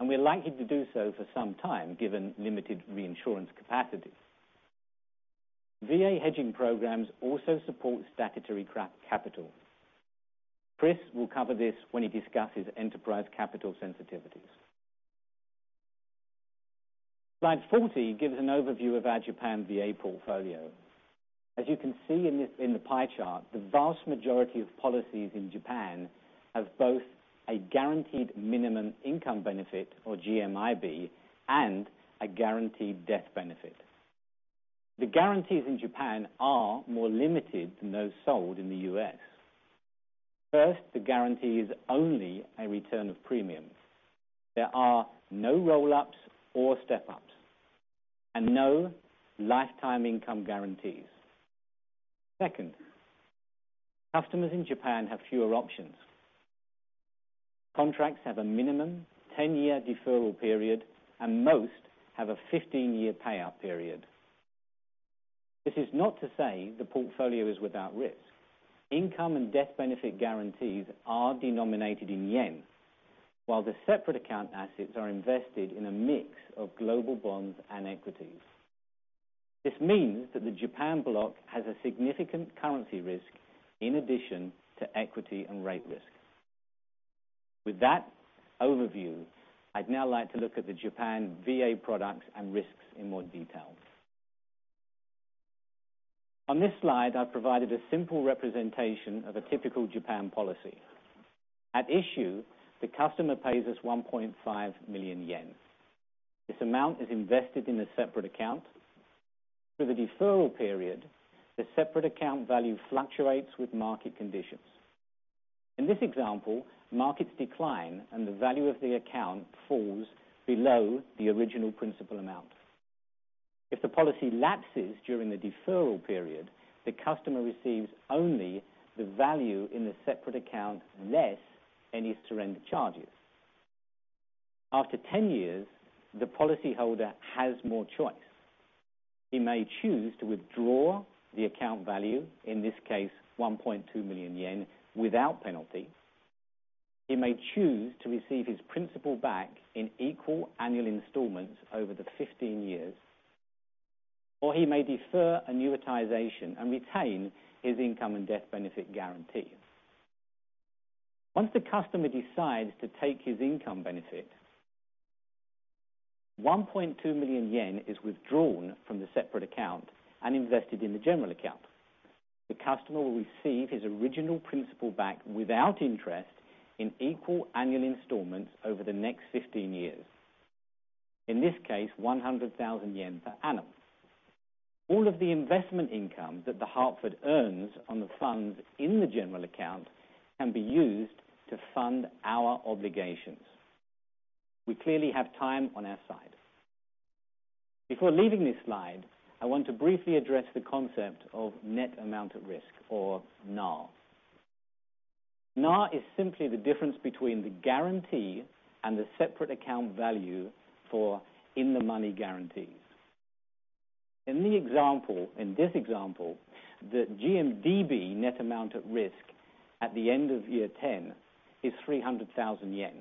and we are likely to do so for some time, given limited reinsurance capacity. VA hedging programs also support statutory capital. Chris will cover this when he discusses enterprise capital sensitivities. Slide 40 gives an overview of our Japan VA portfolio. As you can see in the pie chart, the vast majority of policies in Japan have both a guaranteed minimum income benefit or GMIB and a guaranteed death benefit. The guarantees in Japan are more limited than those sold in the U.S. First, the guarantee is only a return of premium. There are no roll-ups or step-ups, and no lifetime income guarantees. Second, customers in Japan have fewer options. Contracts have a minimum 10 year deferral period, and most have a 15 year payout period. This is not to say the portfolio is without risk. Income and death benefit guarantees are denominated in JPY, while the separate account assets are invested in a mix of global bonds and equities. This means that the Japan block has a significant currency risk in addition to equity and rate risk. With that overview, I'd now like to look at the Japan VA products and risks in more detail. On this slide, I've provided a simple representation of a typical Japan policy. At issue, the customer pays us 1.5 million yen. This amount is invested in a separate account. Through the deferral period, the separate account value fluctuates with market conditions. In this example, markets decline and the value of the account falls below the original principal amount. If the policy lapses during the deferral period, the customer receives only the value in the separate account, less any surrender charges. After 10 years, the policyholder has more choice. He may choose to withdraw the account value, in this case 1.2 million yen, without penalty. He may choose to receive his principal back in equal annual installments over the 15 years. Or he may defer annuitization and retain his income and death benefit guarantee. Once the customer decides to take his income benefit, 1.2 million yen is withdrawn from the separate account and invested in the general account. The customer will receive his original principal back without interest in equal annual installments over the next 15 years. In this case, 100,000 yen per annum. All of the investment income that The Hartford earns on the funds in the general account can be used to fund our obligations. We clearly have time on our side. Before leaving this slide, I want to briefly address the concept of net amount at risk or NAR. NAR is simply the difference between the guarantee and the separate account value for in-the-money guarantees. In this example, the GMDB net amount at risk at the end of year 10 is 300,000 yen,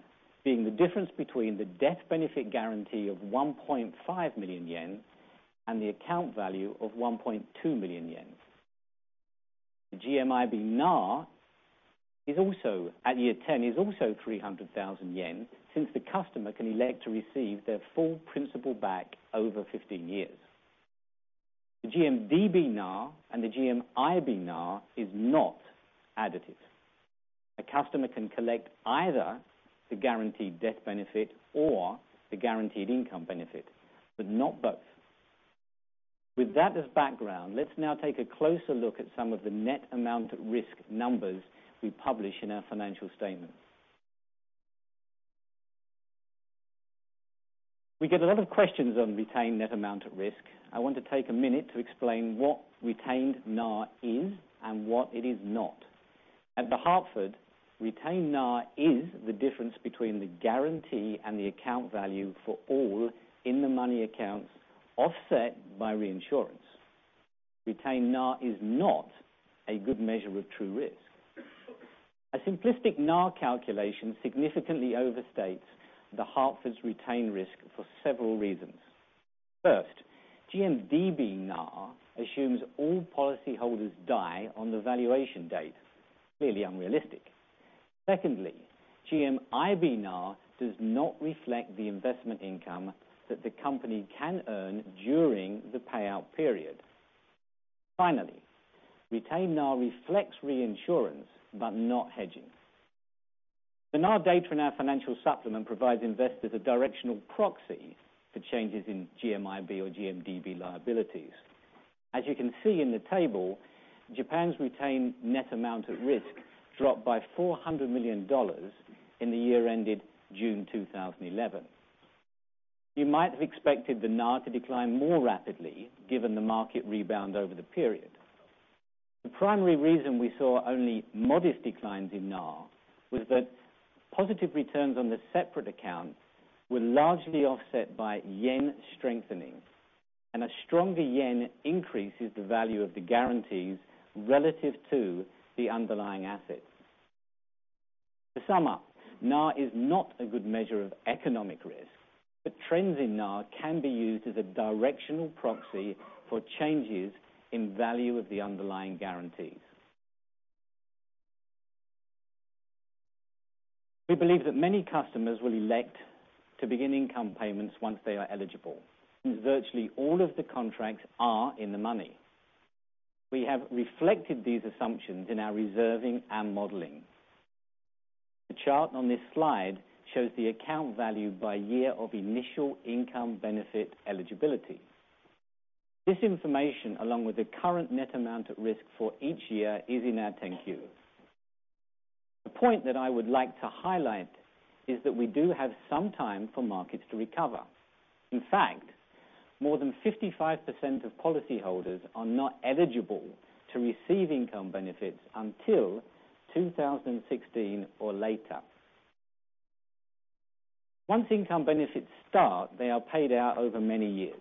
being the difference between the death benefit guarantee of 1.5 million yen and the account value of 1.2 million yen. The GMIB NAR at year 10 is also 300,000 yen, since the customer can elect to receive their full principal back over 15 years. The GMDB NAR and the GMIB NAR is not additive. A customer can collect either the guaranteed death benefit or the guaranteed income benefit, but not both. With that as background, let's now take a closer look at some of the net amount at risk numbers we publish in our financial statement. We get a lot of questions on retained net amount at risk. I want to take a minute to explain what retained NAR is and what it is not. At The Hartford, retained NAR is the difference between the guarantee and the account value for all in the money accounts offset by reinsurance. Retained NAR is not a good measure of true risk. A simplistic NAR calculation significantly overstates The Hartford's retained risk for several reasons. First, GMDB NAR assumes all policyholders die on the valuation date. Clearly unrealistic. Secondly, GMIB NAR does not reflect the investment income that the company can earn during the payout period. Finally, retained NAR reflects reinsurance, but not hedging. The NAR data in our financial supplement provides investors a directional proxy for changes in GMIB or GMDB liabilities. As you can see in the table, Japan's retained net amount at risk dropped by $400 million in the year ended June 2011. You might have expected the NAR to decline more rapidly, given the market rebound over the period. The primary reason we saw only modest declines in NAR was that positive returns on the separate account were largely offset by yen strengthening. A stronger yen increases the value of the guarantees relative to the underlying assets. To sum up, NAR is not a good measure of economic risk. The trends in NAR can be used as a directional proxy for changes in value of the underlying guarantees. We believe that many customers will elect to begin income payments once they are eligible, since virtually all of the contracts are in the money. We have reflected these assumptions in our reserving and modeling. The chart on this slide shows the account value by year of initial income benefit eligibility. This information, along with the current net amount at risk for each year, is in our 10-Q. The point that I would like to highlight is that we do have some time for markets to recover. In fact, more than 55% of policyholders are not eligible to receive income benefits until 2016 or later. Once income benefits start, they are paid out over many years,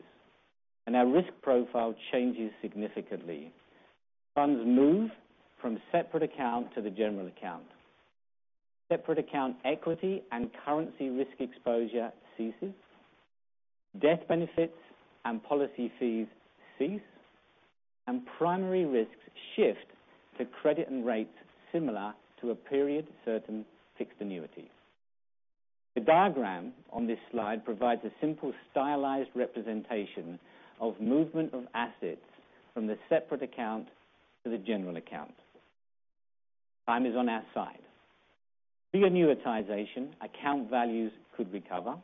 and our risk profile changes significantly. Funds move from separate account to the general account. Separate account equity and currency risk exposure ceases. Death benefits and policy fees cease. Primary risks shift to credit and rates similar to a period certain fixed annuity. The diagram on this slide provides a simple, stylized representation of movement of assets from the separate account to the general account. Time is on our side. Pre-annuitization, account values could recover.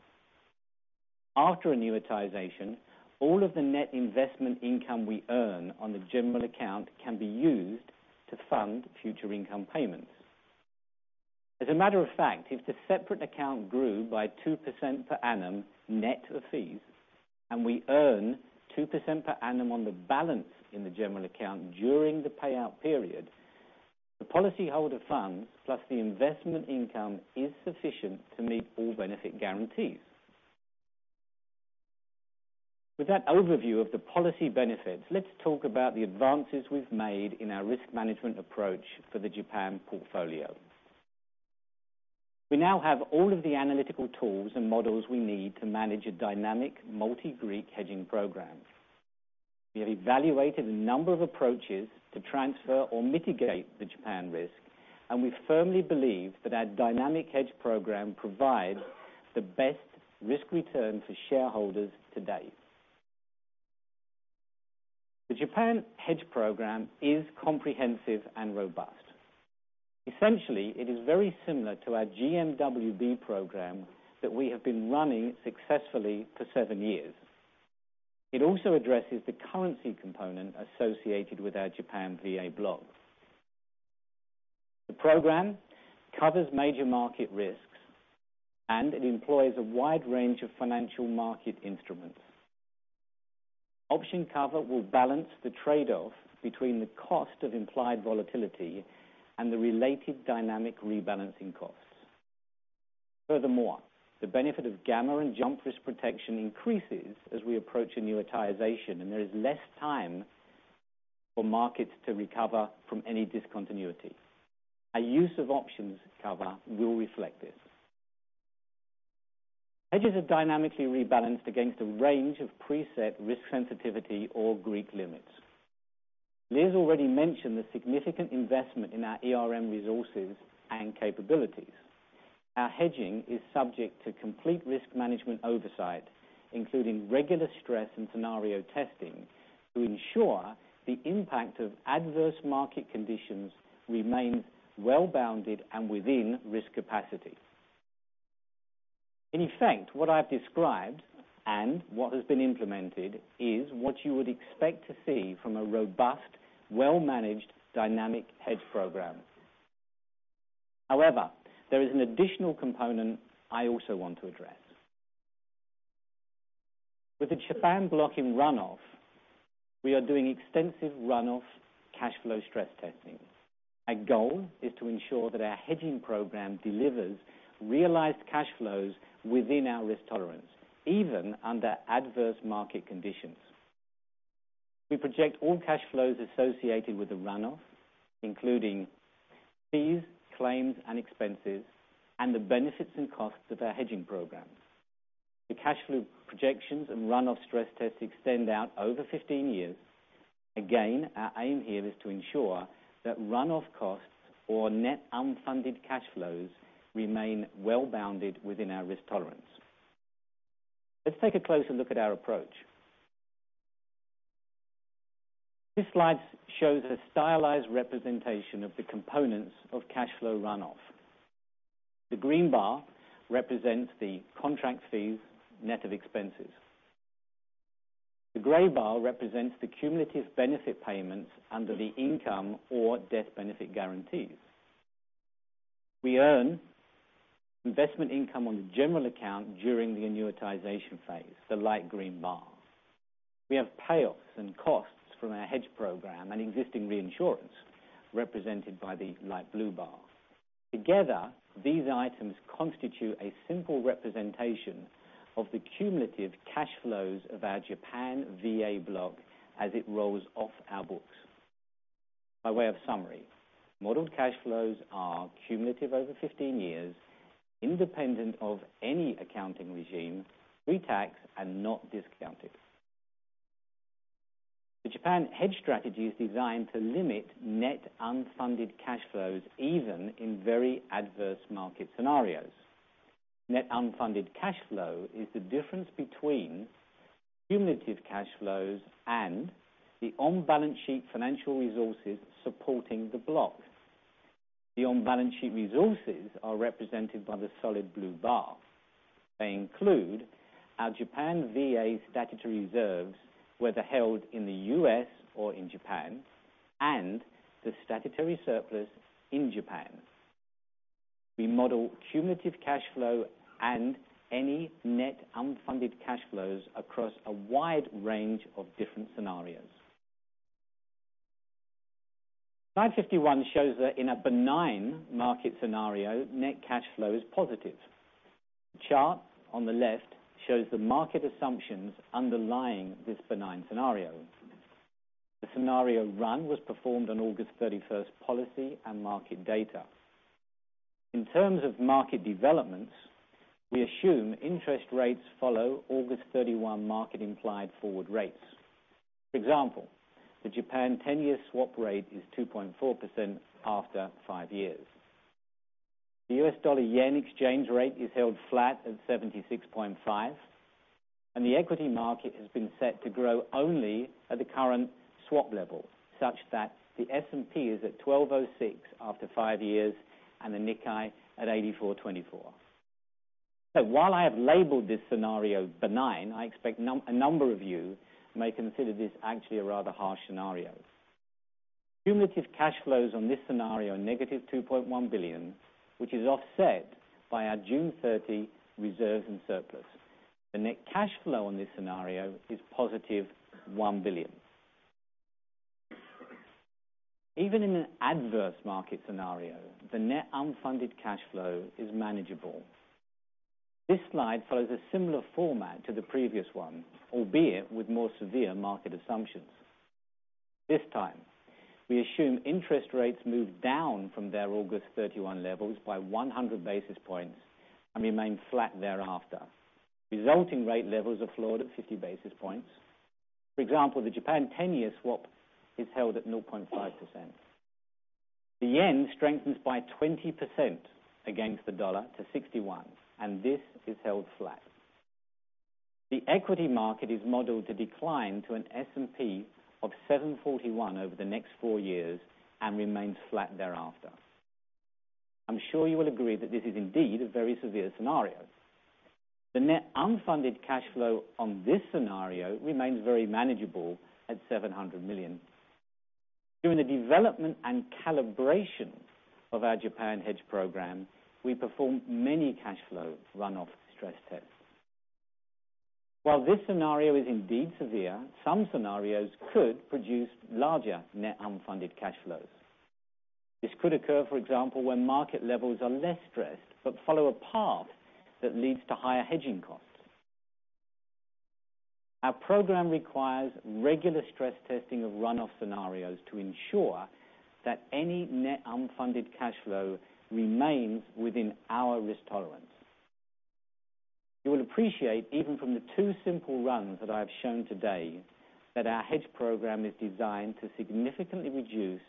After annuitization, all of the net investment income we earn on the general account can be used to fund future income payments. As a matter of fact, if the separate account grew by 2% per annum net of fees, and we earn 2% per annum on the balance in the general account during the payout period, the policy holder funds plus the investment income is sufficient to meet all benefit guarantees. With that overview of the policy benefits, let's talk about the advances we've made in our risk management approach for the Japan portfolio. We now have all of the analytical tools and models we need to manage a dynamic multi Greek hedging program. We have evaluated a number of approaches to transfer or mitigate the Japan risk, and we firmly believe that our dynamic hedge program provides the best risk return for shareholders to date. The Japan hedge program is comprehensive and robust. Essentially, it is very similar to our GMWB program that we have been running successfully for seven years. It also addresses the currency component associated with our Japan VA block. The program covers major market risks, and it employs a wide range of financial market instruments. Option cover will balance the trade-off between the cost of implied volatility and the related dynamic rebalancing costs. The benefit of gamma and jump risk protection increases as we approach annuitization and there is less time for markets to recover from any discontinuity. Our use of options cover will reflect this. Hedges are dynamically rebalanced against a range of preset risk sensitivity or Greek limits. Liz already mentioned the significant investment in our ERM resources and capabilities. Our hedging is subject to complete risk management oversight, including regular stress and scenario testing, to ensure the impact of adverse market conditions remains well bounded and within risk capacity. In effect, what I've described and what has been implemented is what you would expect to see from a robust, well-managed dynamic hedge program. There is an additional component I also want to address. With the Japan block in run-off, we are doing extensive run-off cash flow stress testing. Our goal is to ensure that our hedging program delivers realized cash flows within our risk tolerance, even under adverse market conditions. We project all cash flows associated with the run-off, including fees, claims, and expenses, and the benefits and costs of our hedging programs. The cash flow projections and run-off stress tests extend out over 15 years. Our aim here is to ensure that run-off costs or net unfunded cash flows remain well bounded within our risk tolerance. Let's take a closer look at our approach. This slide shows a stylized representation of the components of cash flow run-off. The green bar represents the contract fees net of expenses. The gray bar represents the cumulative benefit payments under the income or death benefit guarantees. We earn investment income on the general account during the annuitization phase, the light green bar. We have payoffs and costs from our hedge program and existing reinsurance, represented by the light blue bar. Together, these items constitute a simple representation of the cumulative cash flows of our Japan VA block as it rolls off our books. By way of summary, modeled cash flows are cumulative over 15 years, independent of any accounting regime, pre-tax, and not discounted. The Japan hedge strategy is designed to limit net unfunded cash flows, even in very adverse market scenarios. Net unfunded cash flow is the difference between cumulative cash flows and the on-balance sheet financial resources supporting the block. The on-balance sheet resources are represented by the solid blue bar. They include our Japan VA statutory reserves, whether held in the U.S. or in Japan, and the statutory surplus in Japan. We model cumulative cash flow and any net unfunded cash flows across a wide range of different scenarios. Slide 51 shows that in a benign market scenario, net cash flow is positive. The chart on the left shows the market assumptions underlying this benign scenario. The scenario run was performed on August 31 policy and market data. In terms of market developments, we assume interest rates follow August 31 market implied forward rates. For example, the Japan 10-year swap rate is 2.4% after five years. The U.S. dollar/JPY exchange rate is held flat at 76.5, and the equity market has been set to grow only at the current swap level, such that the S&P is at 1206 after five years, and the Nikkei at 8424. While I have labeled this scenario benign, I expect a number of you may consider this actually a rather harsh scenario. Cumulative cash flows on this scenario are negative $2.1 billion, which is offset by our June 30 reserves and surplus. The net cash flow on this scenario is positive $1 billion. Even in an adverse market scenario, the net unfunded cash flow is manageable. This slide follows a similar format to the previous one, albeit with more severe market assumptions. This time, we assume interest rates move down from their August 31 levels by 100 basis points and remain flat thereafter. Resulting rate levels are floored at 50 basis points. For example, the Japan 10-year swap is held at 0.5%. The JPY strengthens by 20% against the U.S. dollar to 61, and this is held flat. The equity market is modeled to decline to an S&P of 741 over the next four years and remains flat thereafter. I'm sure you will agree that this is indeed a very severe scenario. The net unfunded cash flow on this scenario remains very manageable at $700 million. During the development and calibration of our Japan hedge program, we performed many cash flow runoff stress tests. While this scenario is indeed severe, some scenarios could produce larger net unfunded cash flows. This could occur, for example, when market levels are less stressed but follow a path that leads to higher hedging costs. Our program requires regular stress testing of runoff scenarios to ensure that any net unfunded cash flow remains within our risk tolerance. You will appreciate even from the two simple runs that I have shown today, that our hedge program is designed to significantly reduce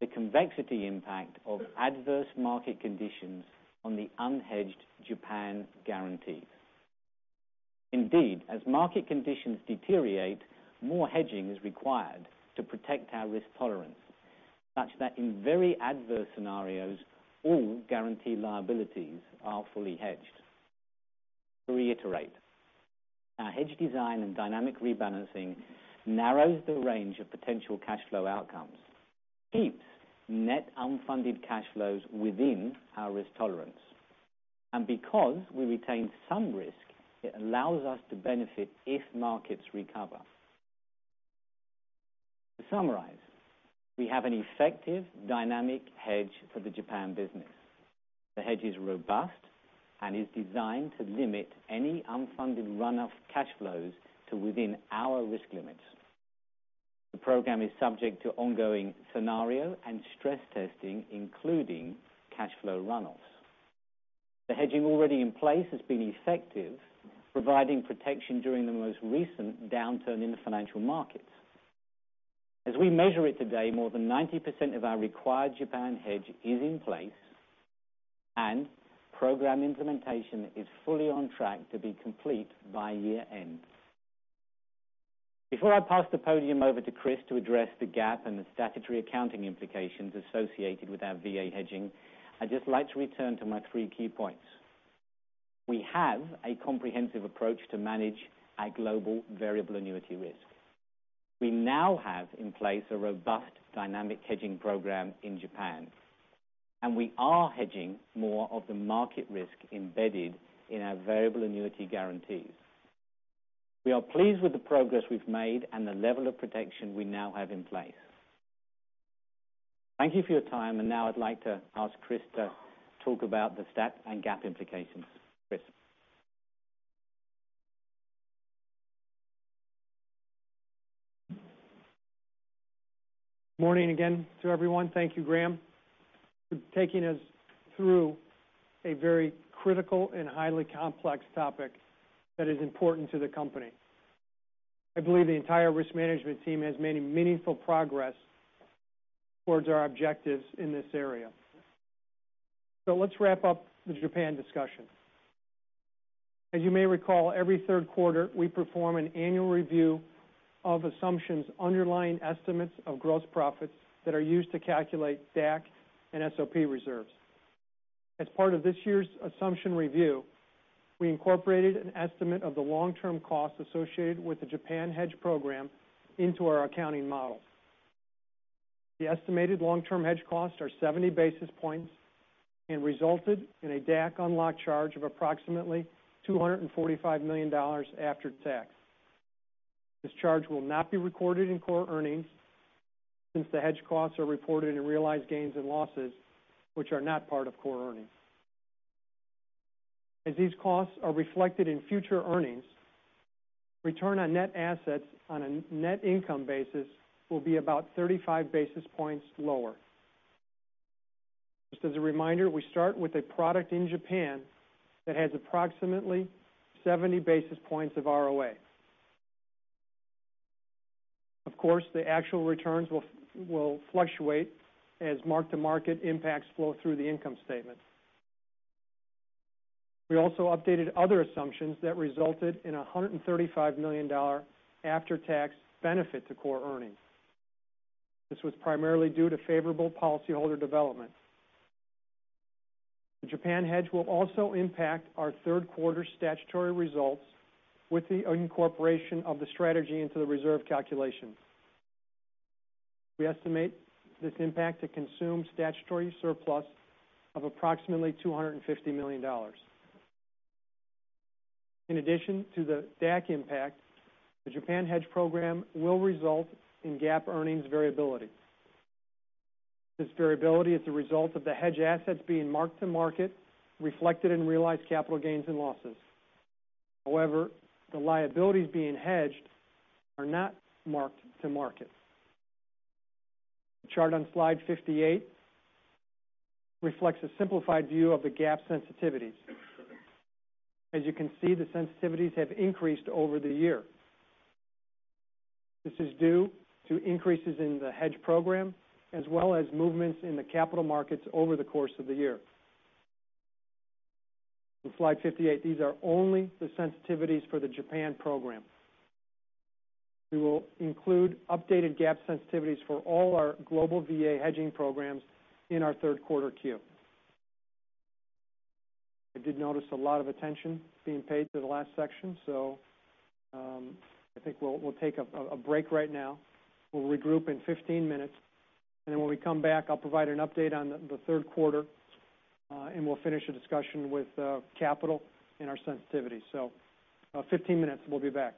the convexity impact of adverse market conditions on the unhedged Japan guarantees. Indeed, as market conditions deteriorate, more hedging is required to protect our risk tolerance, such that in very adverse scenarios, all guarantee liabilities are fully hedged. To reiterate, our hedge design and dynamic rebalancing narrows the range of potential cash flow outcomes, keeps net unfunded cash flows within our risk tolerance, and because we retain some risk, it allows us to benefit if markets recover. To summarize, we have an effective dynamic hedge for the Japan business. The hedge is robust and is designed to limit any unfunded runoff cash flows to within our risk limits. The program is subject to ongoing scenario and stress testing, including cash flow runoffs. The hedging already in place has been effective, providing protection during the most recent downturn in the financial markets. As we measure it today, more than 90% of our required Japan hedge is in place, and program implementation is fully on track to be complete by year end. Before I pass the podium over to Chris to address the GAAP and the statutory accounting implications associated with our VA hedging, I'd just like to return to my three key points. We have a comprehensive approach to manage our global variable annuity risk. We now have in place a robust dynamic hedging program in Japan, and we are hedging more of the market risk embedded in our variable annuity guarantees. We are pleased with the progress we've made and the level of protection we now have in place. Thank you for your time, and now I'd like to ask Chris to talk about the stat and GAAP implications. Chris? Morning again to everyone. Thank you, Graham, for taking us through a very critical and highly complex topic that is important to the company. I believe the entire risk management team has made meaningful progress towards our objectives in this area. Let's wrap up the Japan discussion. As you may recall, every third quarter, we perform an annual review of assumptions underlying estimates of gross profits that are used to calculate DAC and SOP reserves. As part of this year's assumption review, we incorporated an estimate of the long-term costs associated with the Japan hedge program into our accounting model. The estimated long-term hedge costs are 70 basis points and resulted in a DAC unlock charge of approximately $245 million after tax. This charge will not be recorded in core earnings since the hedge costs are reported in realized gains and losses, which are not part of core earnings. As these costs are reflected in future earnings, return on net assets on a net income basis will be about 35 basis points lower. Just as a reminder, we start with a product in Japan that has approximately 70 basis points of ROA. Of course, the actual returns will fluctuate as mark-to-market impacts flow through the income statement. We also updated other assumptions that resulted in $135 million after-tax benefit to core earnings. This was primarily due to favorable policy holder development. The Japan hedge will also impact our third quarter statutory results with the incorporation of the strategy into the reserve calculation. We estimate this impact to consume statutory surplus of approximately $250 million. In addition to the DAC impact, the Japan hedge program will result in GAAP earnings variability. This variability is the result of the hedge assets being marked to market reflected in realized capital gains and losses. However, the liabilities being hedged are not marked to market. The chart on slide 58 reflects a simplified view of the GAAP sensitivities. As you can see, the sensitivities have increased over the year. This is due to increases in the hedge program as well as movements in the capital markets over the course of the year. On slide 58, these are only the sensitivities for the Japan program. We will include updated GAAP sensitivities for all our global VA hedging programs in our third quarter 10-Q. I did notice a lot of attention being paid to the last section, I think we'll take a break right now. We'll regroup in 15 minutes. Then when we come back, I'll provide an update on the third quarter. We'll finish the discussion with capital and our sensitivity. 15 minutes, we'll be back.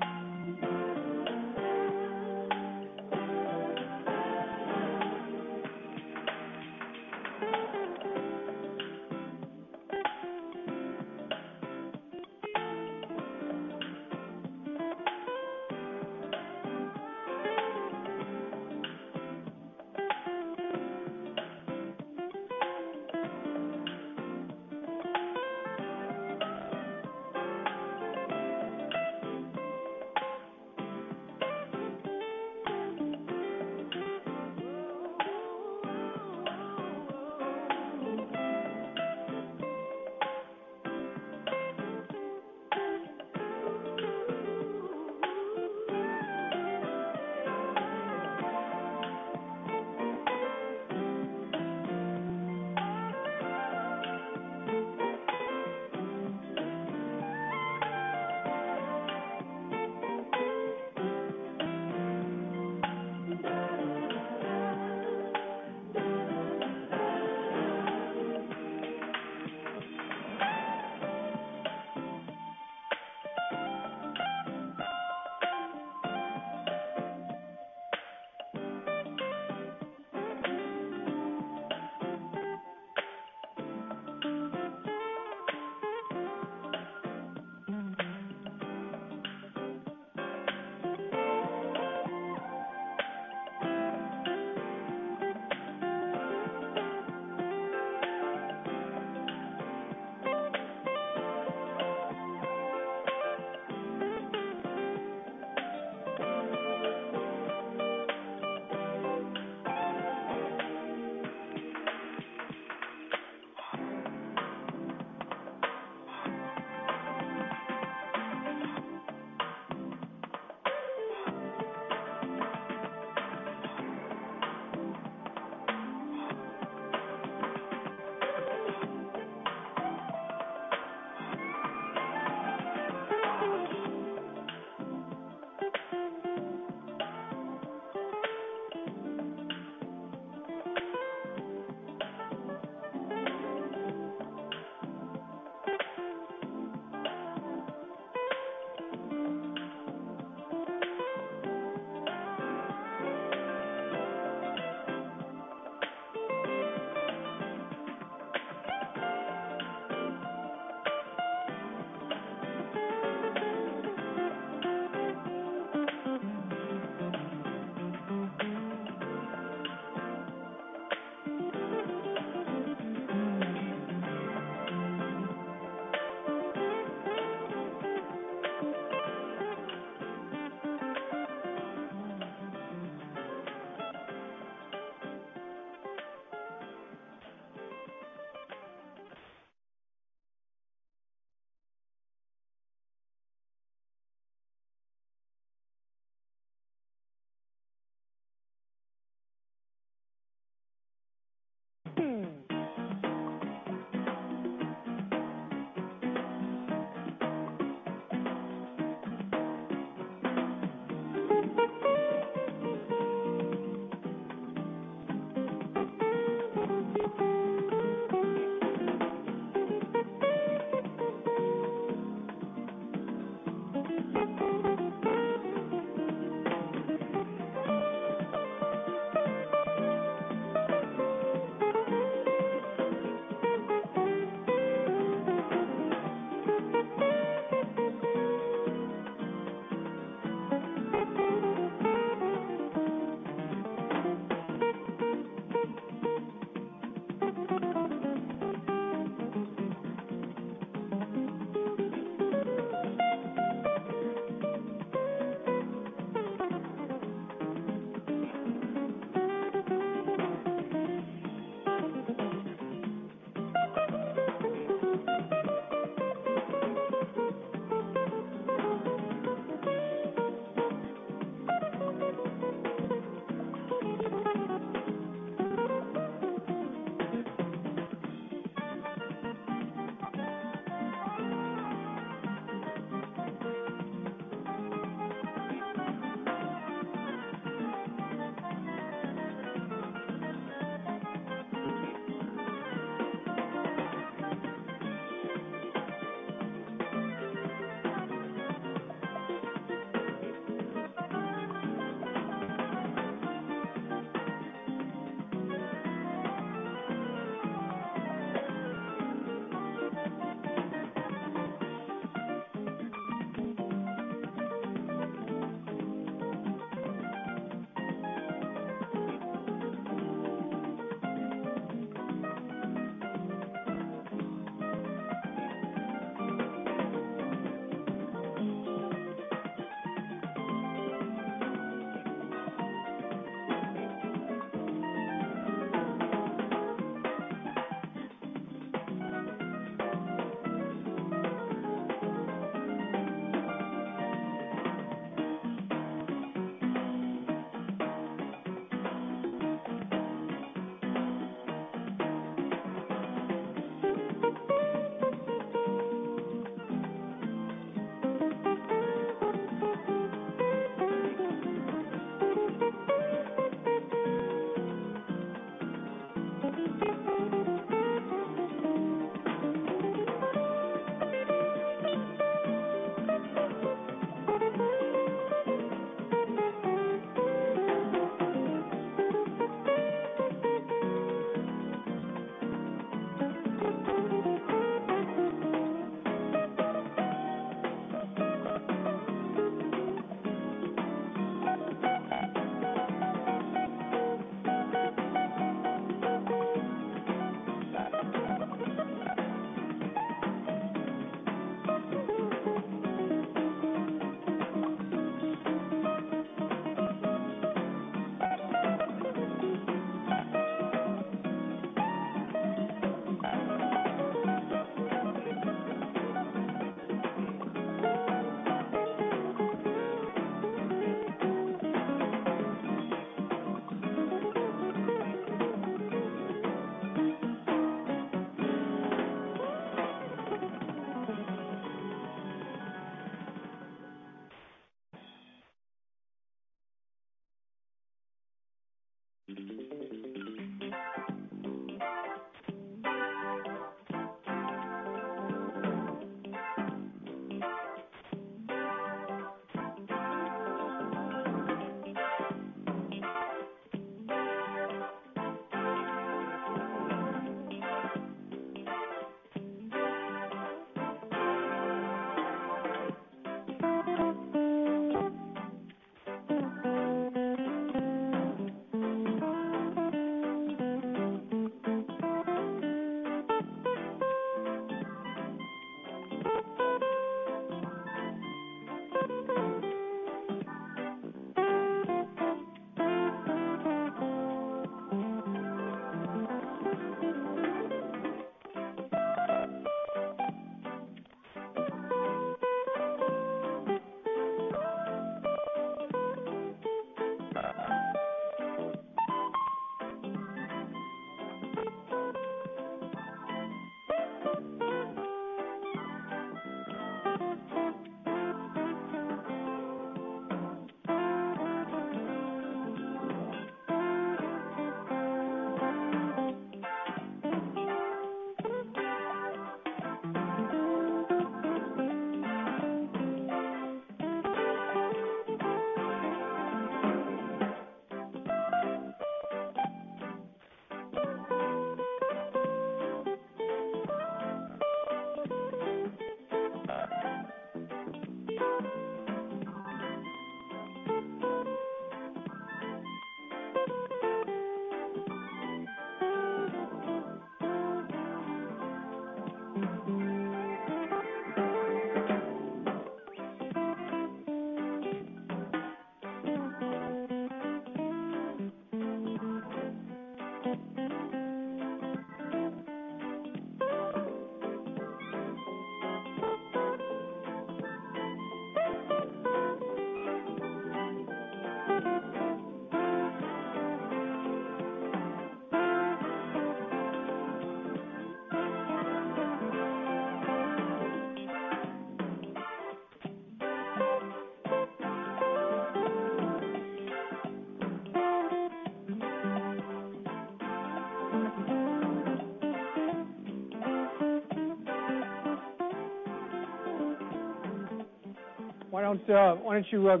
Why don't you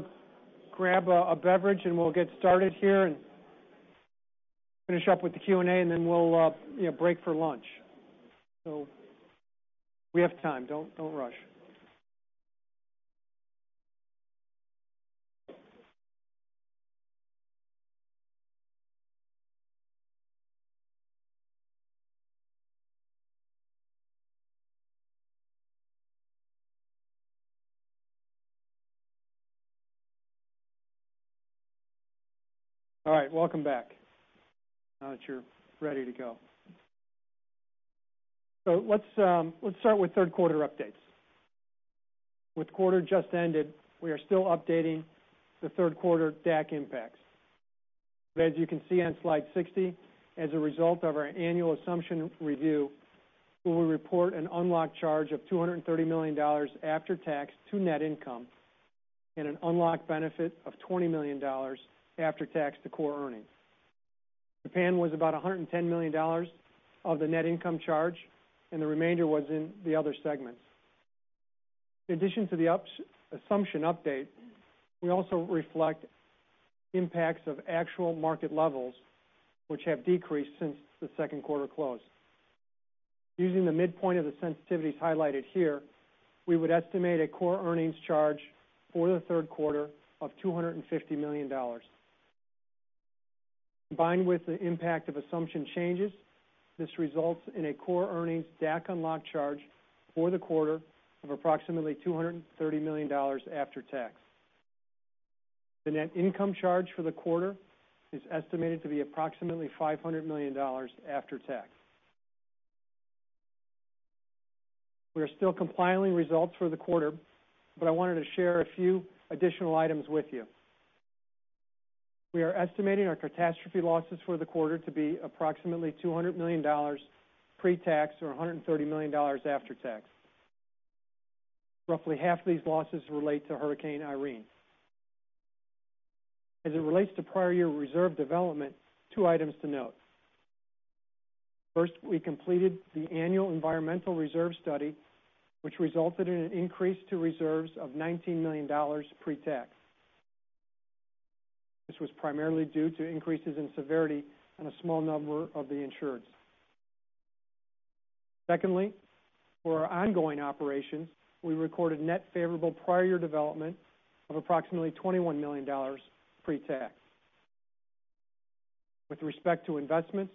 grab a beverage and we'll get started here and finish up with the Q&A. Then we'll break for lunch. We have time. Don't rush. All right. Welcome back, now that you're ready to go. Let's start with third quarter updates. With the quarter just ended, we are still updating the third quarter DAC impacts. As you can see on slide 60, as a result of our annual assumption review, we will report an unlocked charge of $230 million after tax to net income and an unlocked benefit of $20 million after tax to core earnings. Japan was about $110 million of the net income charge. The remainder was in the other segments. In addition to the assumption update, we also reflect impacts of actual market levels, which have decreased since the second quarter close. Using the midpoint of the sensitivities highlighted here, we would estimate a core earnings charge for the third quarter of $250 million. Combined with the impact of assumption changes, this results in a core earnings DAC unlock charge for the quarter of approximately $230 million after tax. The net income charge for the quarter is estimated to be approximately $500 million after tax. We are still compiling results for the quarter, I wanted to share a few additional items with you. We are estimating our catastrophe losses for the quarter to be approximately $200 million pre-tax, or $130 million after tax. Roughly half these losses relate to Hurricane Irene. As it relates to prior year reserve development, two items to note. First, we completed the annual environmental reserve study, which resulted in an increase to reserves of $19 million pre-tax. This was primarily due to increases in severity on a small number of the insureds. Secondly, for our ongoing operations, we recorded net favorable prior year development of approximately $21 million pre-tax. With respect to investments,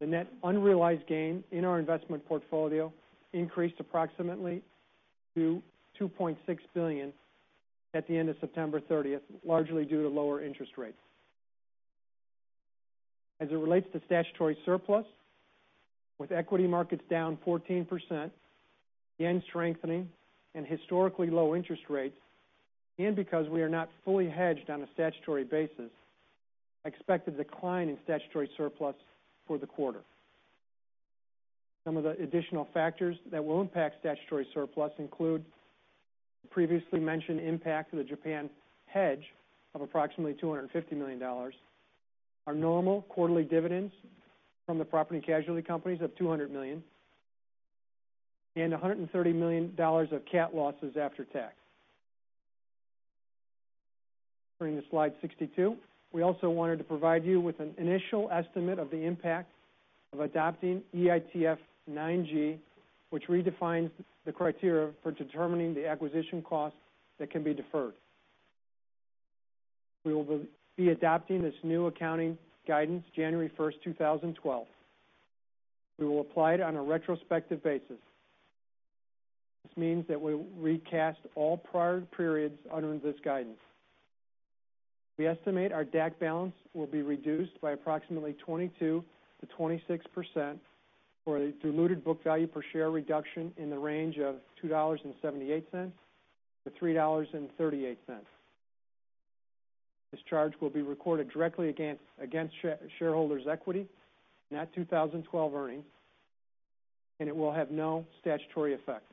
the net unrealized gain in our investment portfolio increased approximately to $2.6 billion at the end of September 30th, largely due to lower interest rates. As it relates to statutory surplus, with equity markets down 14%, the JPY strengthening and historically low interest rates, because we are not fully hedged on a statutory basis, expect a decline in statutory surplus for the quarter. Some of the additional factors that will impact statutory surplus include the previously mentioned impact of the Japan hedge of approximately $250 million, our normal quarterly dividends from the property casualty companies of $200 million, $130 million of cat losses after tax. Turning to slide 62. We also wanted to provide you with an initial estimate of the impact of adopting EITF 09-G, which redefines the criteria for determining the acquisition cost that can be deferred. We will be adopting this new accounting guidance January 1st, 2012. We will apply it on a retrospective basis. This means that we'll recast all prior periods under this guidance. We estimate our DAC balance will be reduced by approximately 22%-26%, or a diluted book value per share reduction in the range of $2.78-$3.38. This charge will be recorded directly against shareholders' equity, net 2012 earnings, and it will have no statutory effect.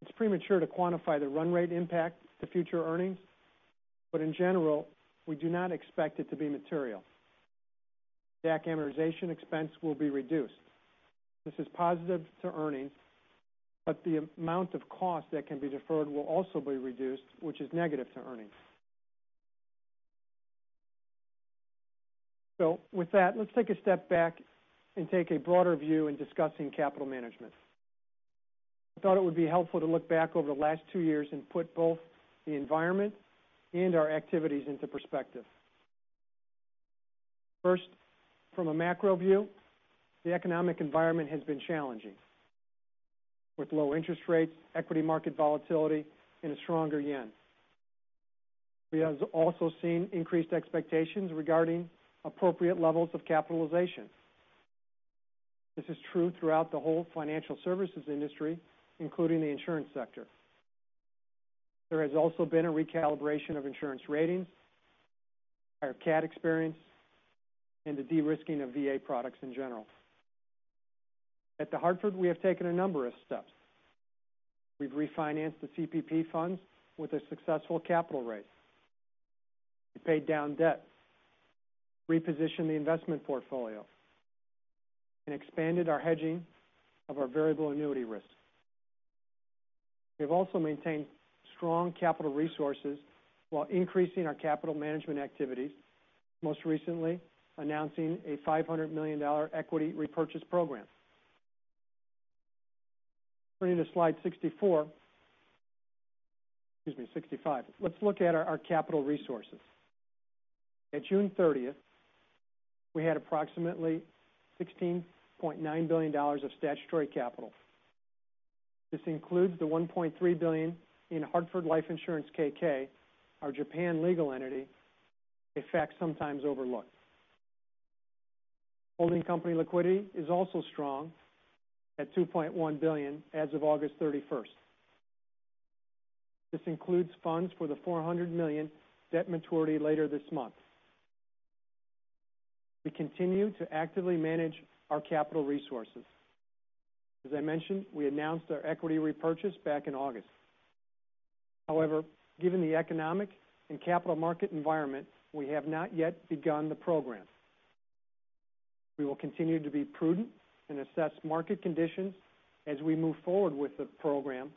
It's premature to quantify the run rate impact to future earnings, but in general, we do not expect it to be material. DAC amortization expense will be reduced. This is positive to earnings, but the amount of cost that can be deferred will also be reduced, which is negative to earnings. With that, let's take a step back and take a broader view in discussing capital management. I thought it would be helpful to look back over the last two years and put both the environment and our activities into perspective. First, from a macro view, the economic environment has been challenging with low interest rates, equity market volatility, and a stronger yen. We have also seen increased expectations regarding appropriate levels of capitalization. This is true throughout the whole financial services industry, including the insurance sector. There has also been a recalibration of insurance ratings, our cat experience, and the de-risking of VA products in general. At The Hartford, we have taken a number of steps. We've refinanced the CPP funds with a successful capital raise. We paid down debt, repositioned the investment portfolio, and expanded our hedging of our variable annuity risk. We have also maintained strong capital resources while increasing our capital management activities, most recently announcing a $500 million equity repurchase program. Turning to slide 64, excuse me, 65. Let's look at our capital resources. At June 30th, we had approximately $16.9 billion of statutory capital. This includes the $1.3 billion in Hartford Life Insurance K.K., our Japan legal entity, a fact sometimes overlooked. Holding company liquidity is also strong at $2.1 billion as of August 31st. This includes funds for the $400 million debt maturity later this month. We continue to actively manage our capital resources. As I mentioned, we announced our equity repurchase back in August. However, given the economic and capital market environment, we have not yet begun the program. We will continue to be prudent and assess market conditions as we move forward with the program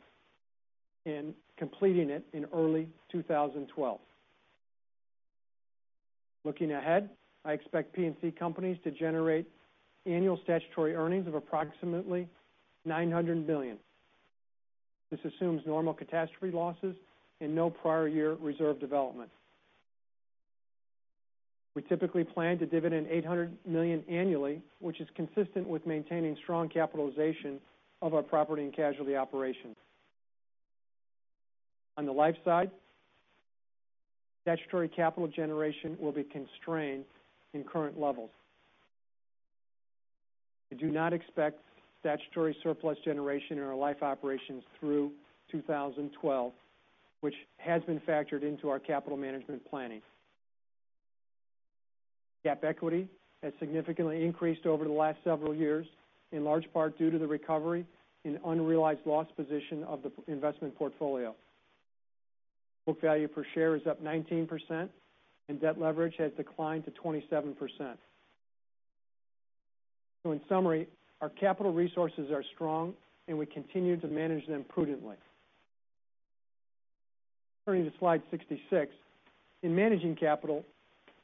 in completing it in early 2012. Looking ahead, I expect P&C companies to generate annual statutory earnings of approximately $900 million. This assumes normal catastrophe losses and no prior year reserve development. We typically plan to dividend $800 million annually, which is consistent with maintaining strong capitalization of our property and casualty operations. On the life side, statutory capital generation will be constrained in current levels. We do not expect statutory surplus generation in our life operations through 2012, which has been factored into our capital management planning. GAAP equity has significantly increased over the last several years, in large part due to the recovery in unrealized loss position of the investment portfolio. Book value per share is up 19% and debt leverage has declined to 27%. In summary, our capital resources are strong, and we continue to manage them prudently. Turning to slide 66, in managing capital,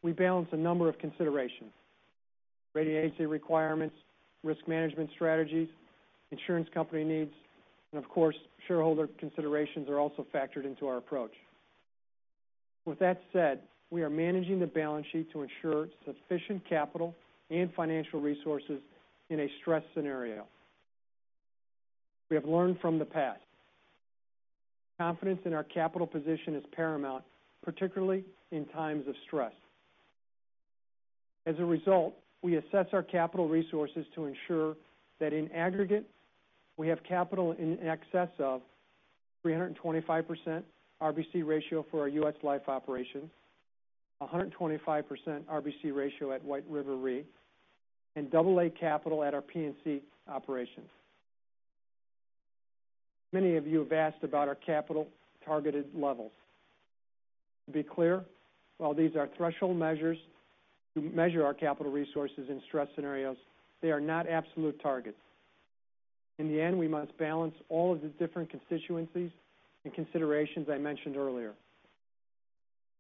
we balance a number of considerations, regulatory requirements, risk management strategies, insurance company needs, and of course, shareholder considerations are also factored into our approach. With that said, we are managing the balance sheet to ensure sufficient capital and financial resources in a stress scenario. We have learned from the past. Confidence in our capital position is paramount, particularly in times of stress. As a result, we assess our capital resources to ensure that in aggregate, we have capital in excess of 325% RBC ratio for our U.S. Life operation, 125% RBC ratio at White River Re, and double A capital at our P&C operations. Many of you have asked about our capital targeted levels. To be clear, while these are threshold measures to measure our capital resources in stress scenarios, they are not absolute targets. In the end, we must balance all of the different constituencies and considerations I mentioned earlier.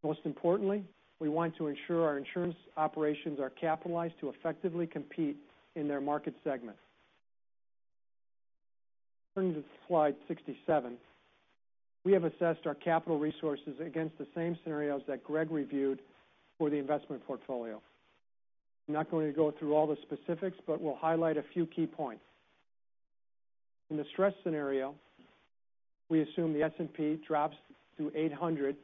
Most importantly, we want to ensure our insurance operations are capitalized to effectively compete in their market segment. Turning to slide 67, we have assessed our capital resources against the same scenarios that Greg reviewed for the investment portfolio. I'm not going to go through all the specifics, but we'll highlight a few key points. In the stress scenario, we assume the S&P drops to 800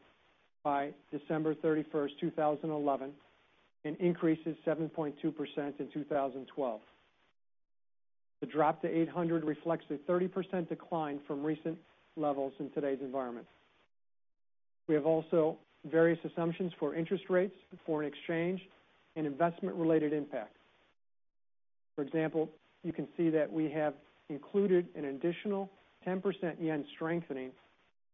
by December 31st, 2011, and increases 7.2% in 2012. The drop to 800 reflects a 30% decline from recent levels in today's environment. We have also various assumptions for interest rates, foreign exchange, and investment related impact. For example, you can see that we have included an additional 10% JPY strengthening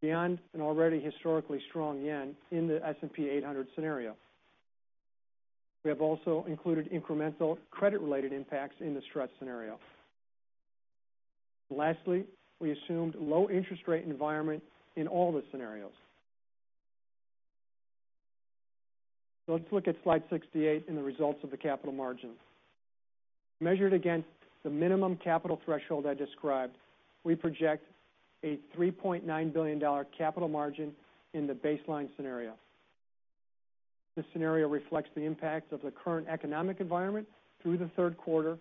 beyond an already historically strong JPY in the S&P 800 scenario. We have also included incremental credit related impacts in the stress scenario. Lastly, we assumed low interest rate environment in all the scenarios. Let's look at slide 68 and the results of the capital margin. Measured against the minimum capital threshold I described, we project a $3.9 billion capital margin in the baseline scenario. This scenario reflects the impact of the current economic environment through the third quarter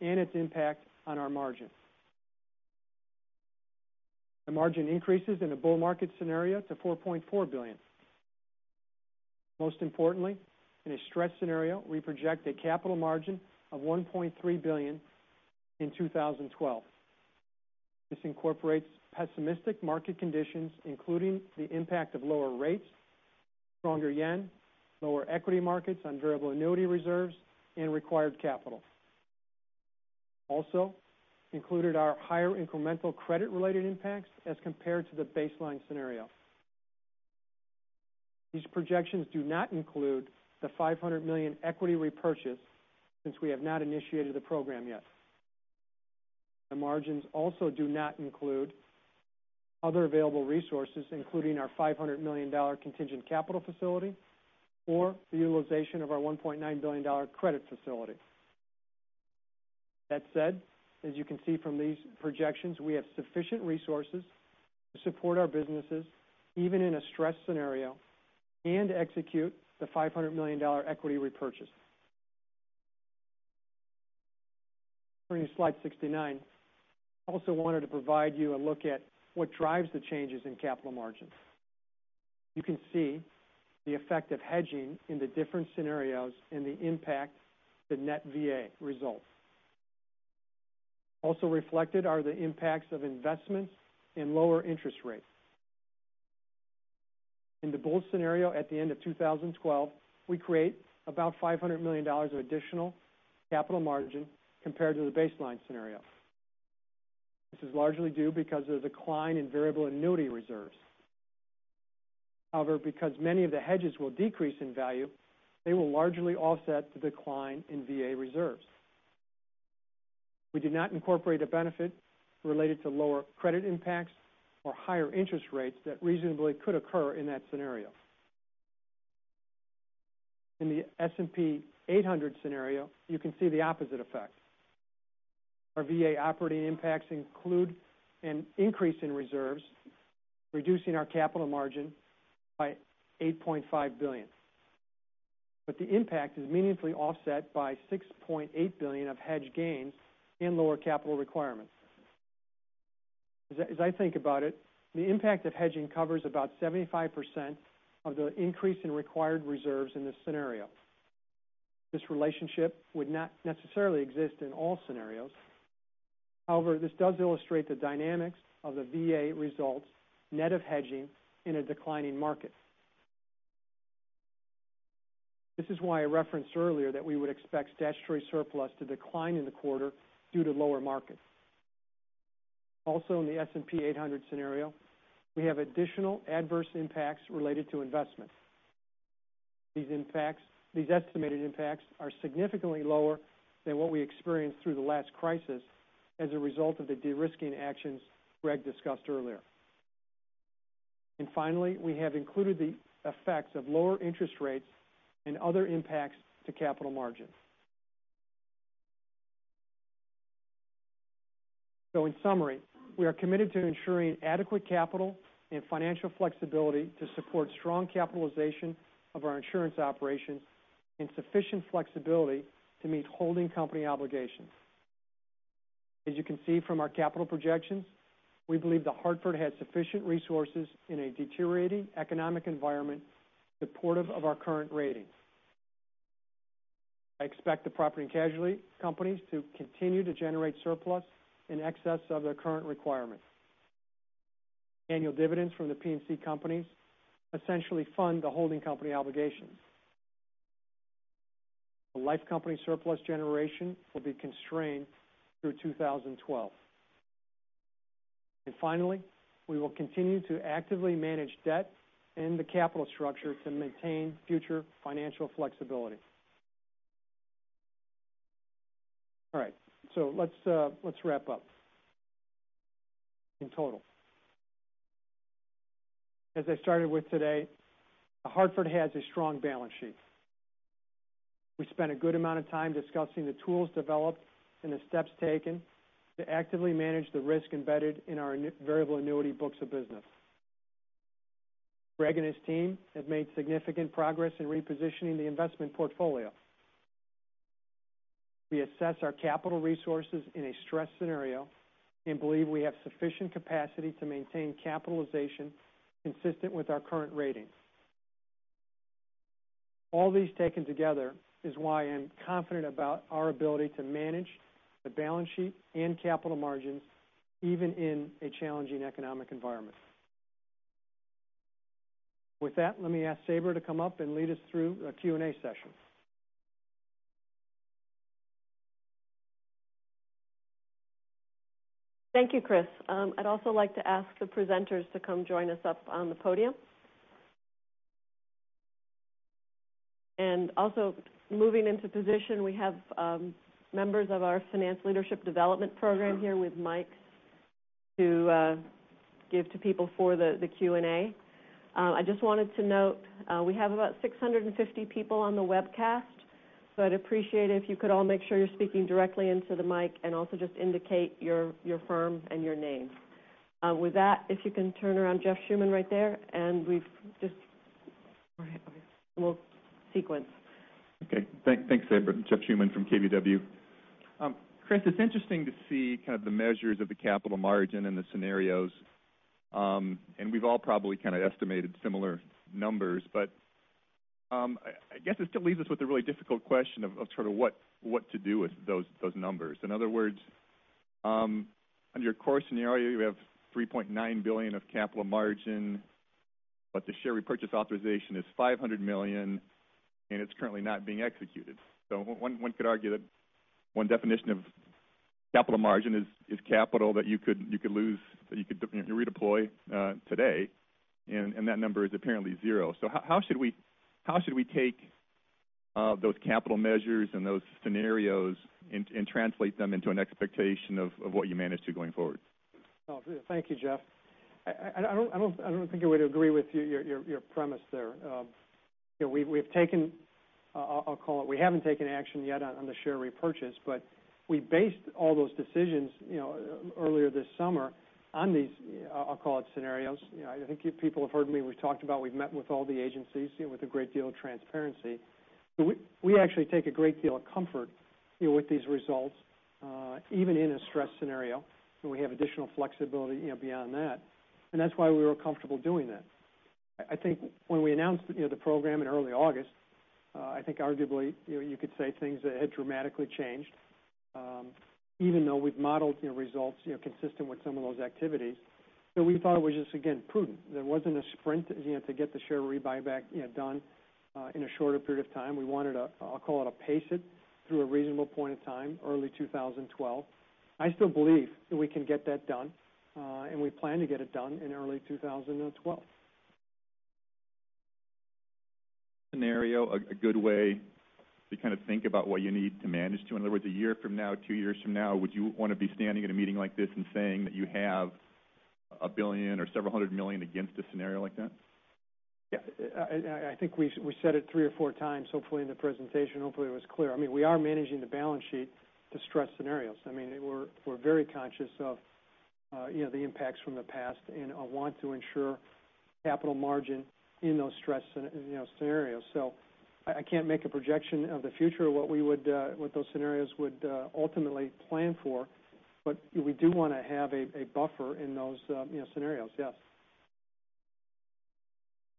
and its impact on our margin. The margin increases in a bull market scenario to $4.4 billion. Most importantly, in a stress scenario, we project a capital margin of $1.3 billion in 2012. This incorporates pessimistic market conditions, including the impact of lower rates, stronger JPY, lower equity markets on variable annuity reserves, and required capital. Also included are higher incremental credit related impacts as compared to the baseline scenario. These projections do not include the $500 million equity repurchase, since we have not initiated the program yet. The margins also do not include other available resources, including our $500 million contingent capital facility or the utilization of our $1.9 billion credit facility. That said, as you can see from these projections, we have sufficient resources to support our businesses, even in a stress scenario, and execute the $500 million equity repurchase. Turning to slide 69, I also wanted to provide you a look at what drives the changes in capital margins. You can see the effect of hedging in the different scenarios and the impact the net VA results. Also reflected are the impacts of investments and lower interest rates. In the bull scenario at the end of 2012, we create about $500 million of additional capital margin compared to the baseline scenario. This is largely due because of the decline in variable annuity reserves. However, because many of the hedges will decrease in value, they will largely offset the decline in VA reserves. We did not incorporate a benefit related to lower credit impacts or higher interest rates that reasonably could occur in that scenario. In the S&P 800 scenario, you can see the opposite effect. Our VA operating impacts include an increase in reserves, reducing our capital margin by $8.5 billion. The impact is meaningfully offset by $6.8 billion of hedge gains and lower capital requirements. As I think about it, the impact of hedging covers about 75% of the increase in required reserves in this scenario. This relationship would not necessarily exist in all scenarios. However, this does illustrate the dynamics of the VA results, net of hedging in a declining market. This is why I referenced earlier that we would expect statutory surplus to decline in the quarter due to lower markets. In the S&P 800 scenario, we have additional adverse impacts related to investment. These estimated impacts are significantly lower than what we experienced through the last crisis as a result of the de-risking actions Greg discussed earlier. Finally, we have included the effects of lower interest rates and other impacts to capital margin. In summary, we are committed to ensuring adequate capital and financial flexibility to support strong capitalization of our insurance operations and sufficient flexibility to meet holding company obligations. As you can see from our capital projections, we believe The Hartford has sufficient resources in a deteriorating economic environment supportive of our current rating. I expect the property and casualty companies to continue to generate surplus in excess of their current requirements. Annual dividends from the P&C companies essentially fund the holding company obligations. The life company surplus generation will be constrained through 2012. Finally, we will continue to actively manage debt and the capital structure to maintain future financial flexibility. Let's wrap up. In total, as I started with today, The Hartford has a strong balance sheet. We spent a good amount of time discussing the tools developed and the steps taken to actively manage the risk embedded in our variable annuity books of business. Greg and his team have made significant progress in repositioning the investment portfolio. We assess our capital resources in a stress scenario and believe we have sufficient capacity to maintain capitalization consistent with our current rating. All these taken together is why I'm confident about our ability to manage the balance sheet and capital margins even in a challenging economic environment. With that, let me ask Sabra to come up and lead us through a Q&A session. Thank you, Chris. I'd also like to ask the presenters to come join us up on the podium. Also moving into position, we have members of our finance leadership development program here with mics to give to people for the Q&A. I just wanted to note, we have about 650 people on the webcast, so I'd appreciate it if you could all make sure you're speaking directly into the mic and also just indicate your firm and your name. With that, if you can turn around Jeff Schmitt right there and we'll sequence. Okay. Thanks, Sabra. Jeff Schmitt from KBW. Chris, it's interesting to see kind of the measures of the capital margin and the scenarios. We've all probably kind of estimated similar numbers, but I guess it still leaves us with the really difficult question of sort of what to do with those numbers. In other words, under your core scenario, you have $3.9 billion of capital margin, but the share repurchase authorization is $500 million, and it's currently not being executed. One could argue that one definition of capital margin is capital that you could redeploy today, and that number is apparently zero. How should we take those capital measures and those scenarios and translate them into an expectation of what you manage to going forward? Thank you, Jeff. I don't think I would agree with your premise there. We haven't taken action yet on the share repurchase, but we based all those decisions earlier this summer on these, I'll call it scenarios. I think you people have heard me. We've talked about we've met with all the agencies with a great deal of transparency. We actually take a great deal of comfort with these results, even in a stress scenario, and we have additional flexibility beyond that. That's why we were comfortable doing that. I think when we announced the program in early August, I think arguably you could say things had dramatically changed. Even though we've modeled results consistent with some of those activities, we thought it was just, again, prudent. There wasn't a sprint to get the share repurchase done in a shorter period of time. We wanted to, I'll call it, pace it through a reasonable point in time, early 2012. I still believe that we can get that done, and we plan to get it done in early 2012. Is a scenario a good way to kind of think about what you need to manage to? In other words, a year from now, two years from now, would you want to be standing in a meeting like this and saying that you have $1 billion or $several hundred million against a scenario like that? Yeah. I think we said it three or four times, hopefully in the presentation, hopefully it was clear. I mean, we are managing the balance sheet to stress scenarios. I mean, we're very conscious of the impacts from the past and want to ensure capital margin in those stress scenarios. I can't make a projection of the future of what those scenarios would ultimately plan for. We do want to have a buffer in those scenarios, yes.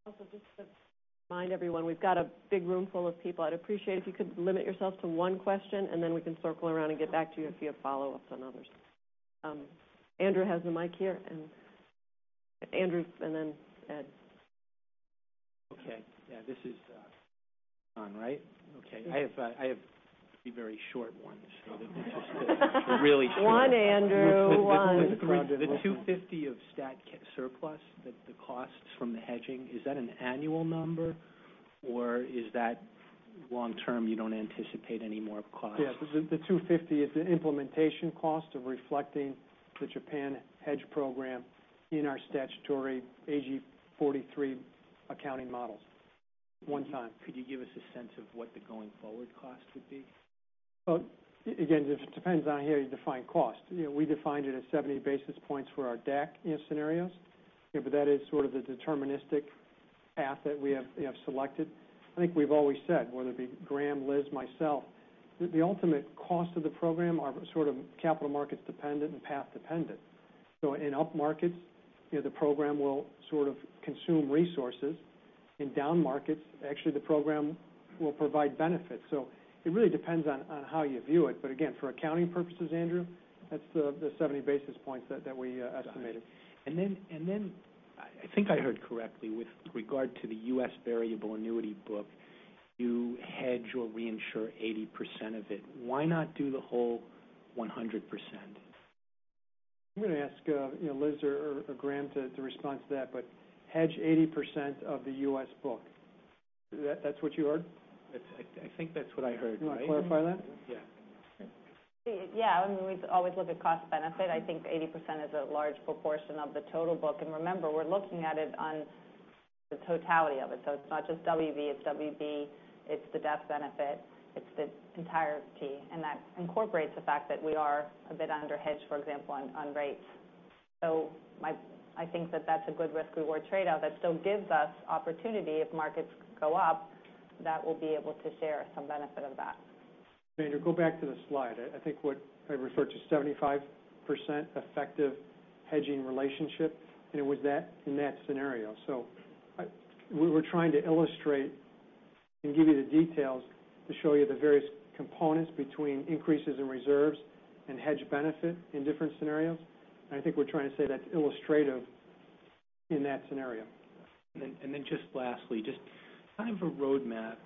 Just to remind everyone, we've got a big room full of people. I'd appreciate it if you could limit yourself to one question. Then we can circle around and get back to you if you have follow-ups on others. Andrew has the mic here. Andrew, and then Ed. Okay. Yeah, this is on, right? Okay. I have a very short one. One Andrew, one. The $250 of stat surplus that the costs from the hedging, is that an annual number, or is that long term, you don't anticipate any more costs? Yeah. The $250 is the implementation cost of reflecting the Japan hedge program in our statutory AG 43 accounting models. One time. Could you give us a sense of what the going forward cost would be? Well, again, it depends on how you define cost. We defined it as 70 basis points for our DAC scenarios. That is sort of the deterministic path that we have selected. I think we've always said, whether it be Graham, Liz, myself, the ultimate cost of the program are sort of capital markets dependent and path dependent. In up markets, the program will sort of consume resources. In down markets, actually, the program will provide benefits. It really depends on how you view it. Again, for accounting purposes, Andrew, that's the 70 basis points that we estimated. I think I heard correctly with regard to the U.S. variable annuity book, you hedge or reinsure 80% of it. Why not do the whole 100%? I'm going to ask Liz or Graham to respond to that, but hedge 80% of the U.S. book. That's what you heard? I think that's what I heard, right? You want to clarify that? Yeah. Yeah. I mean, we always look at cost benefit. I think 80% is a large proportion of the total book. Remember, we're looking at it on the totality of it. It's not just GMWB, it's GMWB, it's the death benefit, it's the entirety. That incorporates the fact that we are a bit under hedged, for example, on rates. I think that that's a good risk-reward trade-off that still gives us opportunity if markets go up, that we'll be able to share some benefit of that. Andrew, go back to the slide. I think what I referred to 75% effective hedging relationship, it was in that scenario. We were trying to illustrate and give you the details to show you the various components between increases in reserves and hedge benefit in different scenarios. I think we're trying to say that's illustrative in that scenario. Just lastly, just kind of a roadmap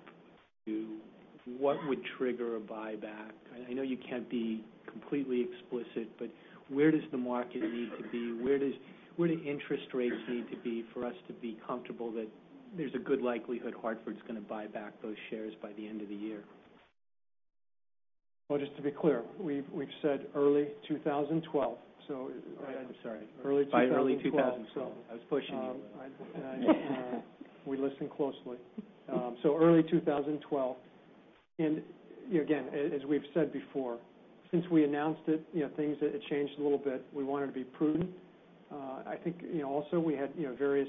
to what would trigger a buyback. I know you can't be completely explicit, but where does the market need to be? Where do interest rates need to be for us to be comfortable that there's a good likelihood Hartford's going to buy back those shares by the end of the year? Well, just to be clear, we've said early 2012. I'm sorry. By early 2012. I was pushing you. We listen closely. Early 2012, again, as we've said before, since we announced it, things had changed a little bit. We wanted to be prudent. I think also we had various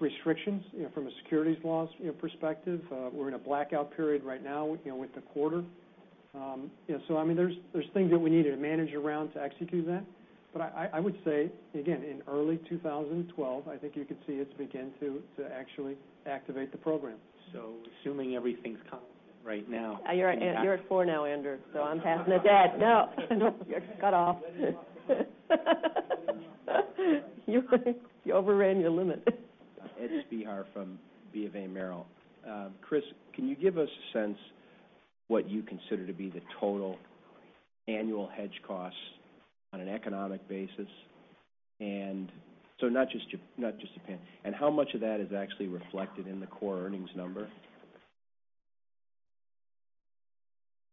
restrictions from a securities laws perspective. We're in a blackout period right now with the quarter. I mean, there's things that we need to manage around to execute that. I would say, again, in early 2012, I think you could see us begin to actually activate the program. Assuming everything's calm right now. You're at four now, Andrew, I'm passing to Ed. No, you're cut off. You overran your limit. Ed Spehar from BofA Merrill. Chris, can you give us a sense what you consider to be the total annual hedge costs on an economic basis? Not just Japan. How much of that is actually reflected in the core earnings number?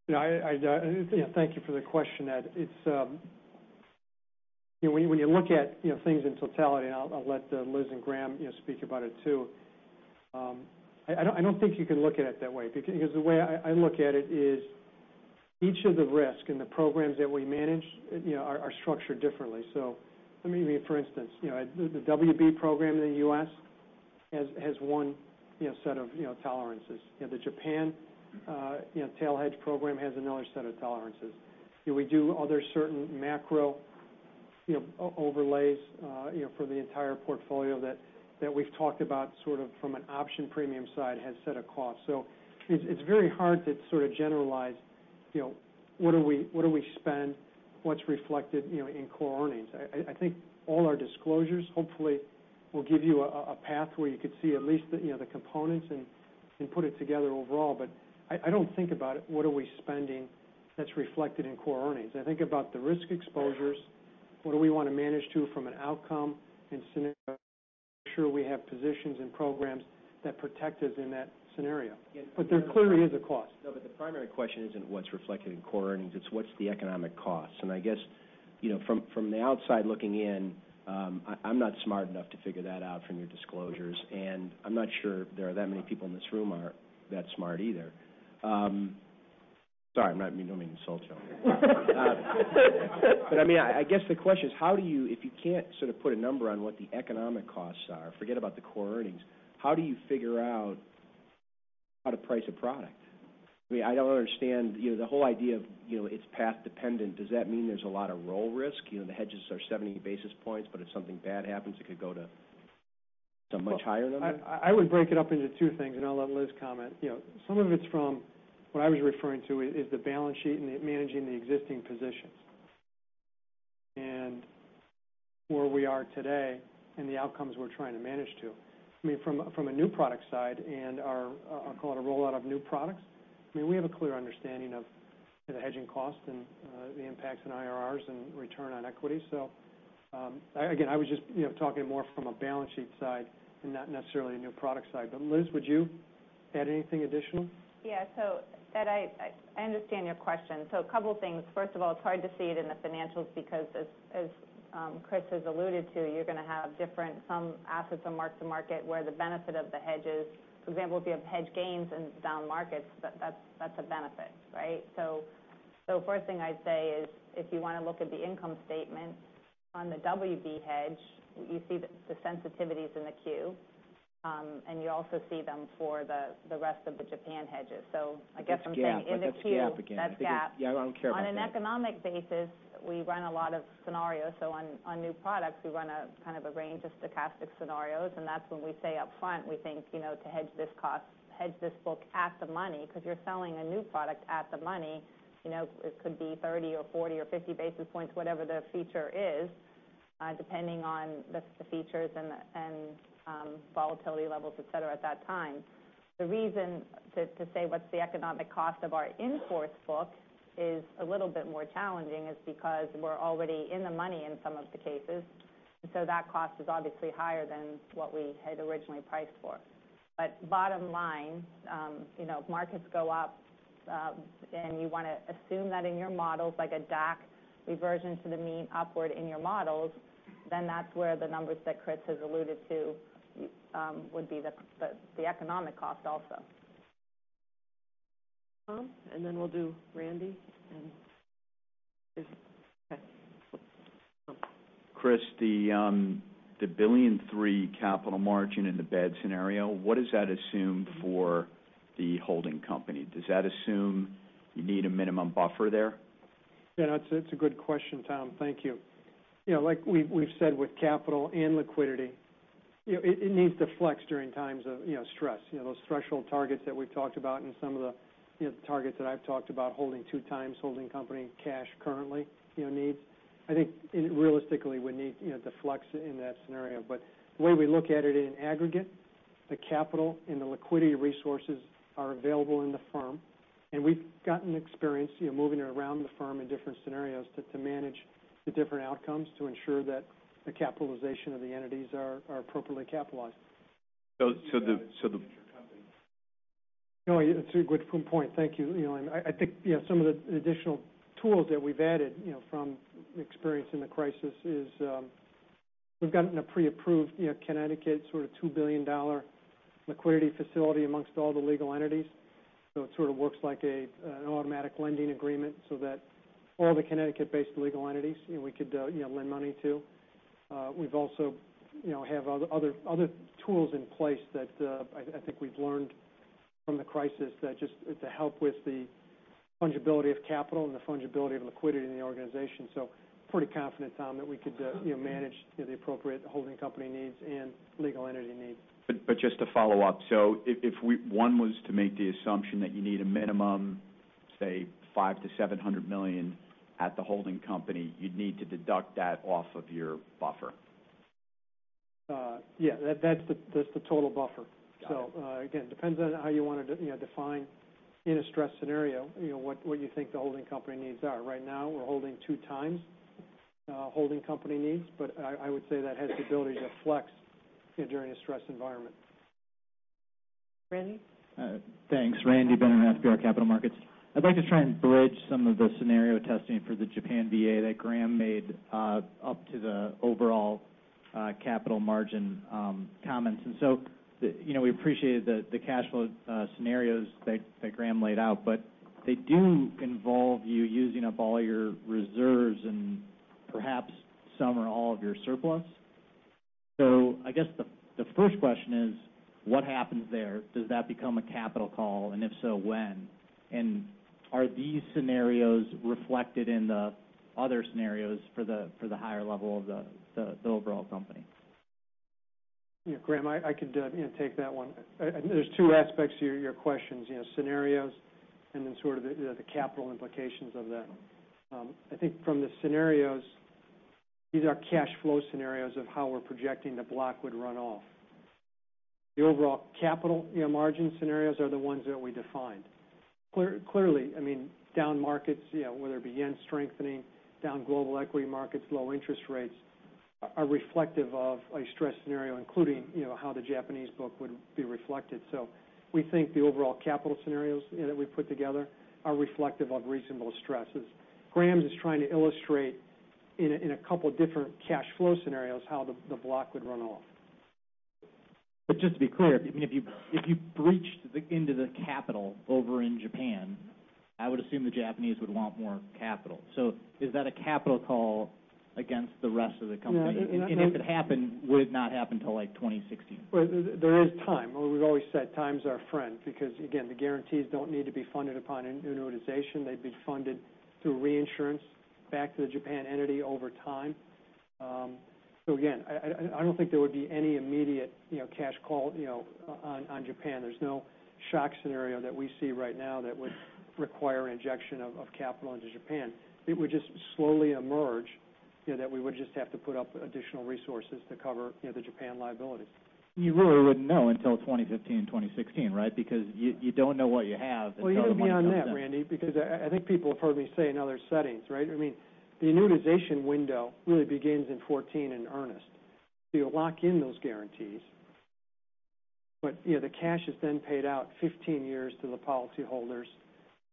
Thank you for the question, Ed. When you look at things in totality, I'll let Liz and Graham speak about it, too. I don't think you can look at it that way, because the way I look at it is each of the risk and the programs that we manage are structured differently. For instance, the WB program in the U.S. has one set of tolerances. The Japan tail hedge program has another set of tolerances. We do other certain macro overlays for the entire portfolio that we've talked about from an option premium side has set a cost. It's very hard to generalize, what do we spend, what's reflected in core earnings? I think all our disclosures hopefully will give you a path where you could see at least the components and put it together overall. I don't think about it, what are we spending that's reflected in core earnings? I think about the risk exposures, what do we want to manage to from an outcome and scenario. Sure we have positions and programs that protect us in that scenario. There clearly is a cost. No, the primary question isn't what's reflected in core earnings, it's what's the economic cost. I guess, from the outside looking in, I'm not smart enough to figure that out from your disclosures, I'm not sure there are that many people in this room are that smart either. Sorry, I don't mean to insult you. I guess the question is, if you can't put a number on what the economic costs are, forget about the core earnings, how do you figure out how to price a product? I don't understand the whole idea of it's path dependent. Does that mean there's a lot of roll risk? The hedges are 70 basis points, but if something bad happens, it could go to some much higher number? I would break it up into two things. I'll let Liz comment. Some of it's from what I was referring to is the balance sheet and managing the existing positions, and where we are today and the outcomes we're trying to manage to. From a new product side and our, call it a rollout of new products, we have a clear understanding of the hedging cost and the impacts in IRRs and return on equity. Again, I was just talking more from a balance sheet side and not necessarily a new product side. Liz, would you add anything additional? Yeah. Ed, I understand your question. A couple of things. First of all, it's hard to see it in the financials because as Chris has alluded to, you're going to have different, some assets on mark-to-market where the benefit of the hedges. For example, if you have hedge gains in down markets, that's a benefit, right? The first thing I'd say is if you want to look at the income statement on the WB hedge, you see the sensitivities in the Q, and you also see them for the rest of the Japan hedges. I guess I'm saying in the Q. That's GAAP again. That's GAAP. Yeah, I don't care about that. On an economic basis, we run a lot of scenarios. On new products, we run a range of stochastic scenarios, and that's when we say up front, we think to hedge this cost, hedge this book at the money, because you're selling a new product at the money. It could be 30 or 40 or 50 basis points, whatever the feature is, depending on the features and volatility levels, et cetera, at that time. The reason to say what's the economic cost of our in-force book is a little bit more challenging is because we're already in the money in some of the cases. That cost is obviously higher than what we had originally priced for. Bottom line, markets go up, you want to assume that in your models, like a DAC reversion to the mean upward in your models, that's where the numbers that Chris has alluded to would be the economic cost also. Tom, we'll do Randy. Okay. Chris, the $1 billion and three capital margin in the bad scenario, what does that assume for the holding company? Does that assume you need a minimum buffer there? Yeah, that's a good question, Tom. Thank you. Like we've said with capital and liquidity, it needs to flex during times of stress. Those threshold targets that we've talked about and some of the targets that I've talked about holding two times, holding company cash currently needs. I think realistically, we need the flex in that scenario. The way we look at it in aggregate, the capital and the liquidity resources are available in the firm, and we've gotten experience moving it around the firm in different scenarios to manage the different outcomes to ensure that the capitalization of the entities are appropriately capitalized. So the- No, it's a good point. Thank you. I think some of the additional tools that we've added from experience in the crisis is we've gotten a pre-approved Connecticut sort of $2 billion liquidity facility amongst all the legal entities. It sort of works like an automatic lending agreement so that all the Connecticut-based legal entities we could lend money to. We've also have other tools in place that I think we've learned from the crisis that just to help with the fungibility of capital and the fungibility of liquidity in the organization. Pretty confident, Tom, that we could manage the appropriate holding company needs and legal entity needs. Just to follow up, so if one was to make the assumption that you need a minimum, say, $5 million to $700 million at the holding company, you'd need to deduct that off of your buffer. Yeah, that's the total buffer. Got it. Again, depends on how you want to define in a stress scenario what you think the holding company needs are. Right now, we're holding two times holding company needs, but I would say that has the ability to flex during a stress environment. Randy? Thanks. Randy Binner, FBR Capital Markets. I'd like to try and bridge some of the scenario testing for the Japan VA that Graham made up to the overall capital margin comments. We appreciated the cash flow scenarios that Graham laid out, but they do involve you using up all your reserves and perhaps some or all of your surplus. I guess the first question is what happens there? Does that become a capital call, and if so, when? Are these scenarios reflected in the other scenarios for the higher level of the overall company? Yeah, Graham, I could take that one. There's two aspects to your questions, scenarios and then sort of the capital implications of that. I think from the scenarios, these are cash flow scenarios of how we're projecting the block would run off. The overall capital margin scenarios are the ones that we defined. Clearly, down markets, whether it be JPY strengthening, down global equity markets, low interest rates, are reflective of a stress scenario, including how the Japanese book would be reflected. We think the overall capital scenarios that we've put together are reflective of reasonable stresses. Graham's is trying to illustrate in a couple different cash flow scenarios how the block would run off. Just to be clear, if you breached into the capital over in Japan, I would assume the Japanese would want more capital. Is that a capital call against the rest of the company? No. If it happened, would it not happen till like 2016? There is time, where we've always said time's our friend, because again, the guarantees don't need to be funded upon annuitization. They'd be funded through reinsurance back to the Japan entity over time. Again, I don't think there would be any immediate cash call on Japan. There's no shock scenario that we see right now that would require injection of capital into Japan. It would just slowly emerge that we would just have to put up additional resources to cover the Japan liability. You really wouldn't know until 2015, 2016, right? You don't know what you have until the money comes in. Even beyond that, Randy, I think people have heard me say in other settings, right? The annuitization window really begins in 2014 in earnest. You lock in those guarantees. The cash is then paid out 15 years to the policy holders,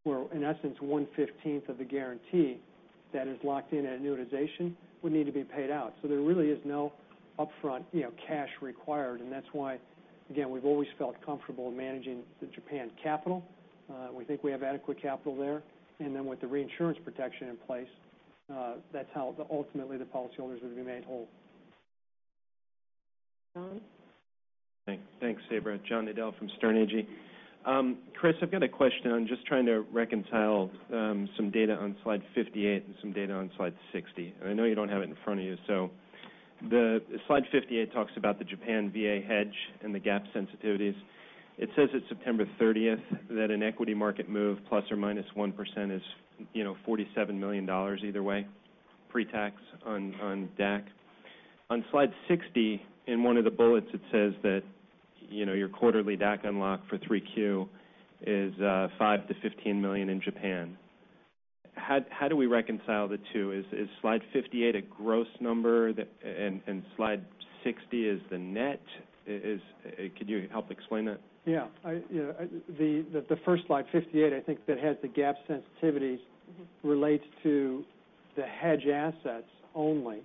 where, in essence, one-fifteenth of the guarantee that is locked in at annuitization would need to be paid out. There really is no upfront cash required, and that's why, again, we've always felt comfortable managing the Japan capital. We think we have adequate capital there. Then with the reinsurance protection in place, that's how ultimately the policy holders would be made whole. John? Thanks, Sabra. John Nadel from Sterne Agee. Chris, I've got a question. I'm just trying to reconcile some data on slide 58 and some data on slide 60. I know you don't have it in front of you. Slide 58 talks about the Japan VA hedge and the GAAP sensitivities. It says at September 30th that an equity market move ±1% is $47 million either way, pre-tax on DAC. On slide 60, in one of the bullets, it says that your quarterly DAC unlock for 3Q is $5 million-$15 million in Japan. How do we reconcile the two? Is slide 58 a gross number, and slide 60 is the net? Could you help explain that? Yeah. The first slide, 58, I think that has the GAAP sensitivities relates to the hedge assets only.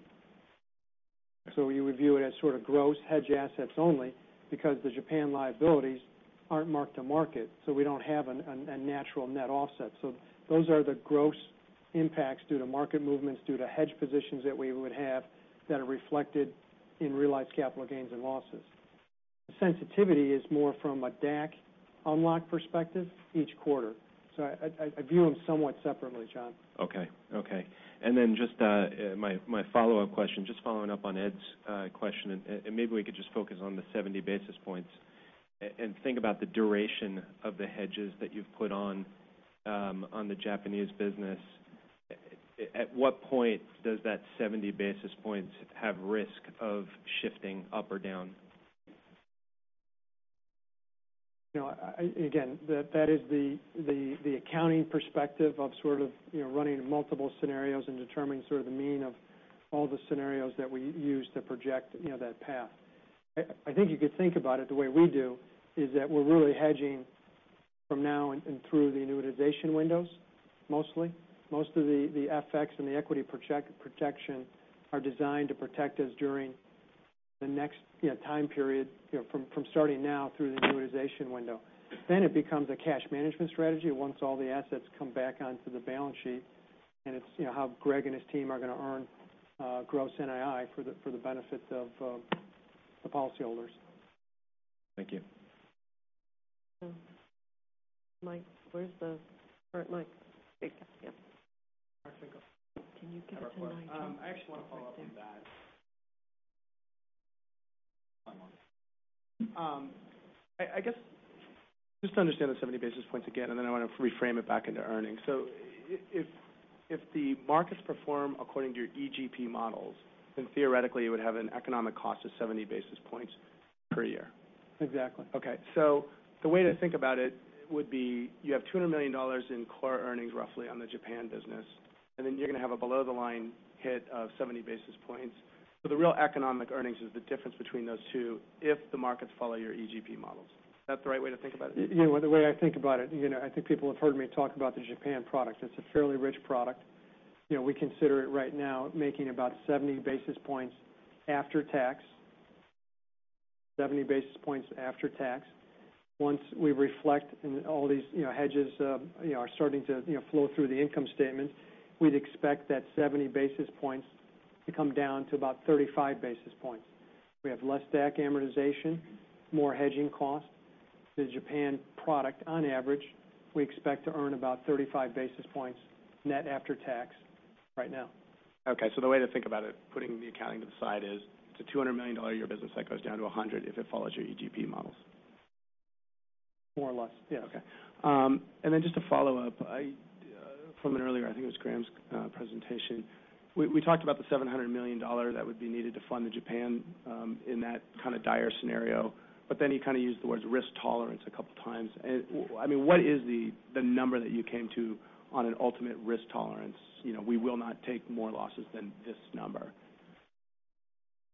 You would view it as sort of gross hedge assets only because the Japan liabilities aren't marked to market, so we don't have a natural net offset. Those are the gross impacts due to market movements, due to hedge positions that we would have that are reflected in realized capital gains and losses. The sensitivity is more from a DAC unlock perspective each quarter. I view them somewhat separately, John. Okay. My follow-up question, just following up on Ed's question, and maybe we could just focus on the 70 basis points and think about the duration of the hedges that you've put on the Japanese business. At what point does that 70 basis points have risk of shifting up or down? Again, that is the accounting perspective of sort of running multiple scenarios and determining sort of the mean of all the scenarios that we use to project that path. I think you could think about it the way we do, is that we're really hedging from now and through the annuitization windows mostly. Most of the FX and the equity protection are designed to protect us during the next time period from starting now through the annuitization window. It becomes a cash management strategy once all the assets come back onto the balance sheet, and it's how Greg and his team are going to earn gross NII for the benefit of the policy holders. Thank you. Mike. Where's the current mic? Great. Yep. Mark Finkel. Can you get the mic? I have a question. I actually want to follow up on that. I guess just to understand the 70 basis points again, I want to reframe it back into earnings. If the markets perform according to your EGP models, theoretically you would have an economic cost of 70 basis points per year. Exactly. The way to think about it would be you have $200 million in core earnings roughly on the Japan business, and then you're going to have a below-the-line hit of 70 basis points. The real economic earnings is the difference between those two if the markets follow your EGP models. Is that the right way to think about it? The way I think about it, I think people have heard me talk about the Japan product. It's a fairly rich product. We consider it right now making about 70 basis points after tax. 70 basis points after tax. Once we reflect in all these hedges are starting to flow through the income statement, we'd expect that 70 basis points to come down to about 35 basis points. We have less DAC amortization, more hedging costs. The Japan product, on average, we expect to earn about 35 basis points net after tax right now. The way to think about it, putting the accounting to the side is, it's a $200 million a year business that goes down to $100 million if it follows your EGP models. More or less. Yeah. Okay. Just to follow up, from an earlier, I think it was Graham's presentation. We talked about the $700 million that would be needed to fund the Japan in that kind of dire scenario. He kind of used the words risk tolerance a couple times. What is the number that you came to on an ultimate risk tolerance? We will not take more losses than this number.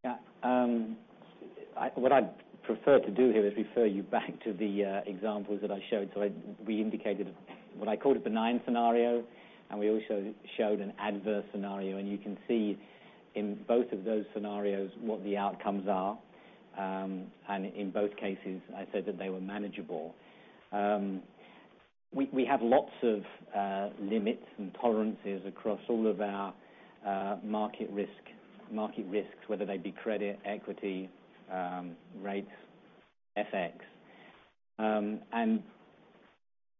Yeah. What I'd prefer to do here is refer you back to the examples that I showed. We indicated what I called a benign scenario. We also showed an adverse scenario, and you can see in both of those scenarios what the outcomes are. In both cases, I said that they were manageable. We have lots of limits and tolerances across all of our market risks, whether they be credit, equity, rates, FX.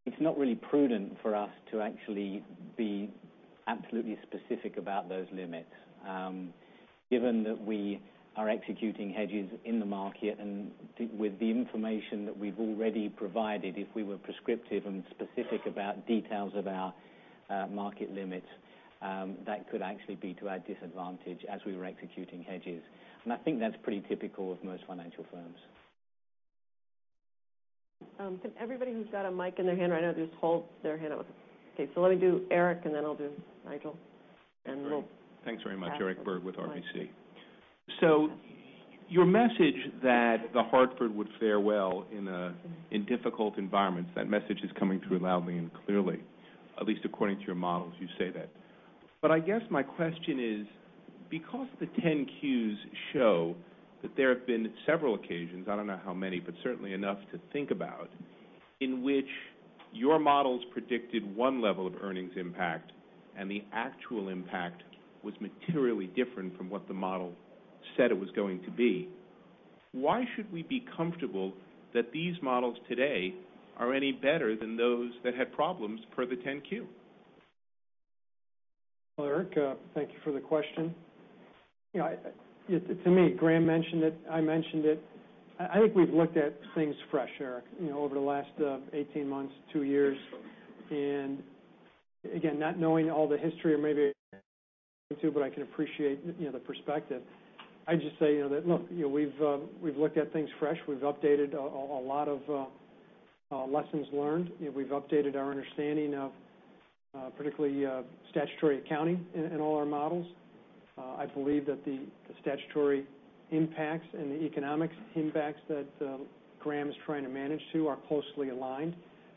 It's not really prudent for us to actually be absolutely specific about those limits. Given that we are executing hedges in the market and with the information that we've already provided, if we were prescriptive and specific about details of our market limits, that could actually be to our disadvantage as we were executing hedges. I think that's pretty typical of most financial firms. Can everybody who's got a mic in their hand right now just hold their hand up? Okay. Let me do Eric, then I'll do Nigel. We'll pass the mic. Thanks very much. Eric Berg with RBC. Your message that The Hartford would fare well in difficult environments, that message is coming through loudly and clearly, at least according to your models, you say that. I guess my question is because the 10-Qs show that there have been several occasions, I don't know how many, but certainly enough to think about, in which your models predicted one level of earnings impact and the actual impact was materially different from what the model said it was going to be, why should we be comfortable that these models today are any better than those that had problems per the 10-Q? Well, Eric, thank you for the question. To me, Graham mentioned it, I mentioned it. I think we've looked at things fresh, Eric, over the last 18 months, 2 years. Again, not knowing all the history or maybe but I can appreciate the perspective. I'd just say that, look, we've looked at things fresh. We've updated a lot of lessons learned. We've updated our understanding of particularly statutory accounting in all our models. I believe that the statutory impacts and the economics impacts that Graham is trying to manage to are closely aligned.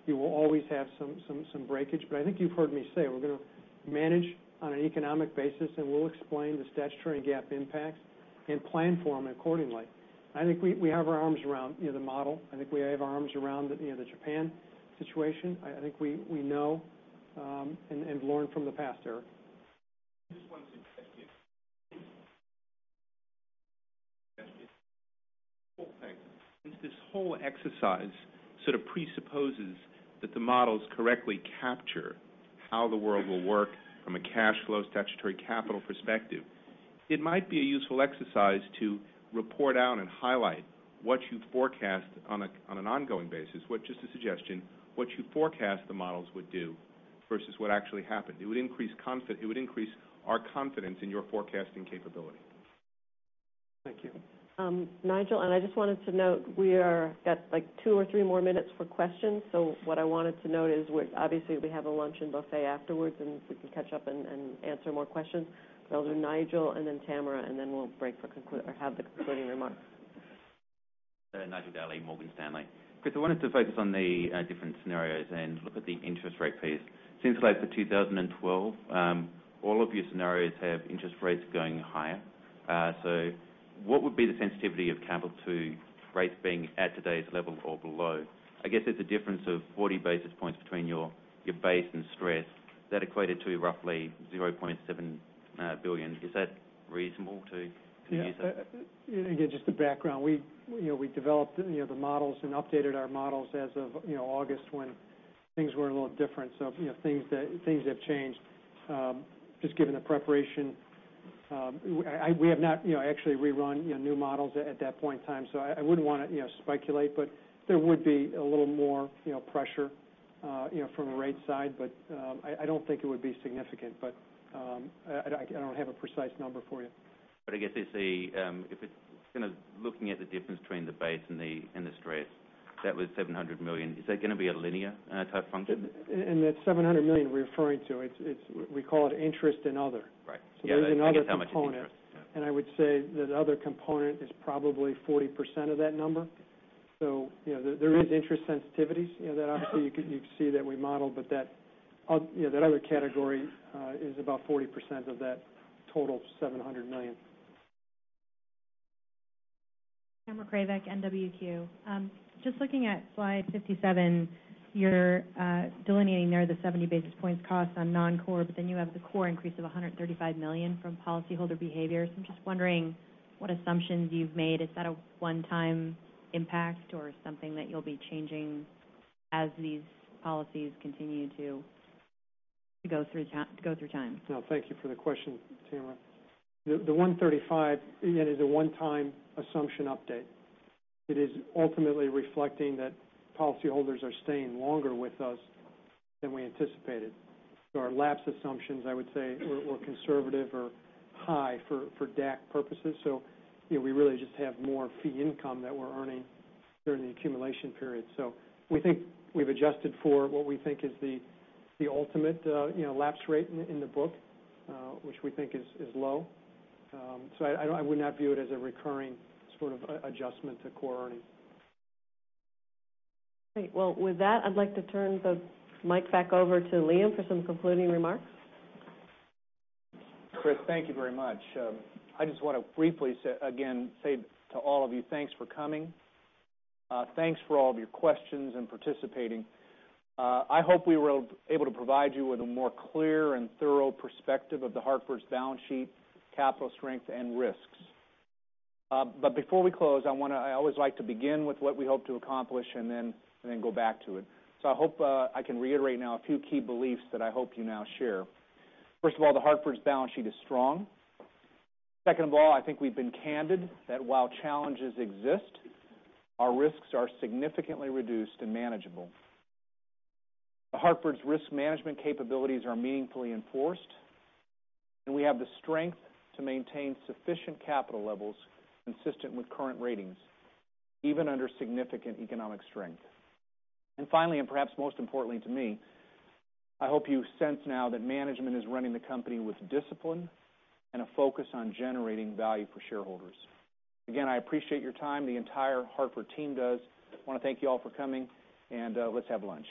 You will always have some breakage. I think you've heard me say, we're going to manage on an economic basis, and we'll explain the statutory GAAP impacts and plan for them accordingly. I think we have our arms around the model. I think we have our arms around the Japan situation. I think we know and learned from the past, Eric. I just wanted to since this whole exercise sort of presupposes that the models correctly capture how the world will work from a cash flow statutory capital perspective, it might be a useful exercise to report out and highlight what you forecast on an ongoing basis. Which is a suggestion, what you forecast the models would do versus what actually happened. It would increase our confidence in your forecasting capability. Thank you. Nigel. I just wanted to note, we have two or three more minutes for questions. What I wanted to note is, obviously, we have a luncheon buffet afterwards, and we can catch up and answer more questions. I'll do Nigel and then Tamara, and then we'll break or have the concluding remarks. Nigel Daly, Morgan Stanley. Chris, I wanted to focus on the different scenarios and look at the interest rate piece. Seems like for 2012, all of your scenarios have interest rates going higher. What would be the sensitivity of capital to rates being at today's level or below? I guess there's a difference of 40 basis points between your base and stress. That equated to roughly $0.7 billion. Is that reasonable to use? Yeah. Again, just the background. We developed the models and updated our models as of August when things were a little different. Things have changed. Just given the preparation, we have not actually rerun new models at that point in time. I wouldn't want to speculate, but there would be a little more pressure from a rate side, but I don't think it would be significant. I don't have a precise number for you. I guess if it's looking at the difference between the base and the stress, that was $700 million. Is that going to be a linear type function? That $700 million we're referring to, we call it interest and other. Right. Yeah. I guess how much interest- There's another component. I would say that other component is probably 40% of that number. There is interest sensitivities that obviously you can see that we modeled, but that other category is about 40% of that total $700 million. Tamara Kravec, NWQ. Just looking at slide 57, you're delineating there the 70 basis points cost on non-core, but then you have the core increase of $135 million from policyholder behavior. I'm just wondering what assumptions you've made. Is that a one-time impact or something that you'll be changing as these policies continue to go through time? No, thank you for the question, Tamara. The $135 million is a one-time assumption update. It is ultimately reflecting that policyholders are staying longer with us than we anticipated. Our lapse assumptions, I would say, were conservative or high for DAC purposes. We really just have more fee income that we're earning during the accumulation period. We think we've adjusted for what we think is the ultimate lapse rate in the book, which we think is low. I would not view it as a recurring sort of adjustment to core earnings. Great. With that, I'd like to turn the mic back over to Liam for some concluding remarks. Chris, thank you very much. I just want to briefly, again, say to all of you, thanks for coming. Thanks for all of your questions and participating. I hope we were able to provide you with a more clear and thorough perspective of The Hartford's balance sheet, capital strength, and risks. Before we close, I always like to begin with what we hope to accomplish and then go back to it. I hope I can reiterate now a few key beliefs that I hope you now share. First of all, The Hartford's balance sheet is strong. Second of all, I think we've been candid that while challenges exist, our risks are significantly reduced and manageable. The Hartford's risk management capabilities are meaningfully enforced, and we have the strength to maintain sufficient capital levels consistent with current ratings, even under significant economic strength. Finally, and perhaps most importantly to me, I hope you sense now that management is running the company with discipline and a focus on generating value for shareholders. Again, I appreciate your time. The entire Hartford team does. I want to thank you all for coming. Let's have lunch.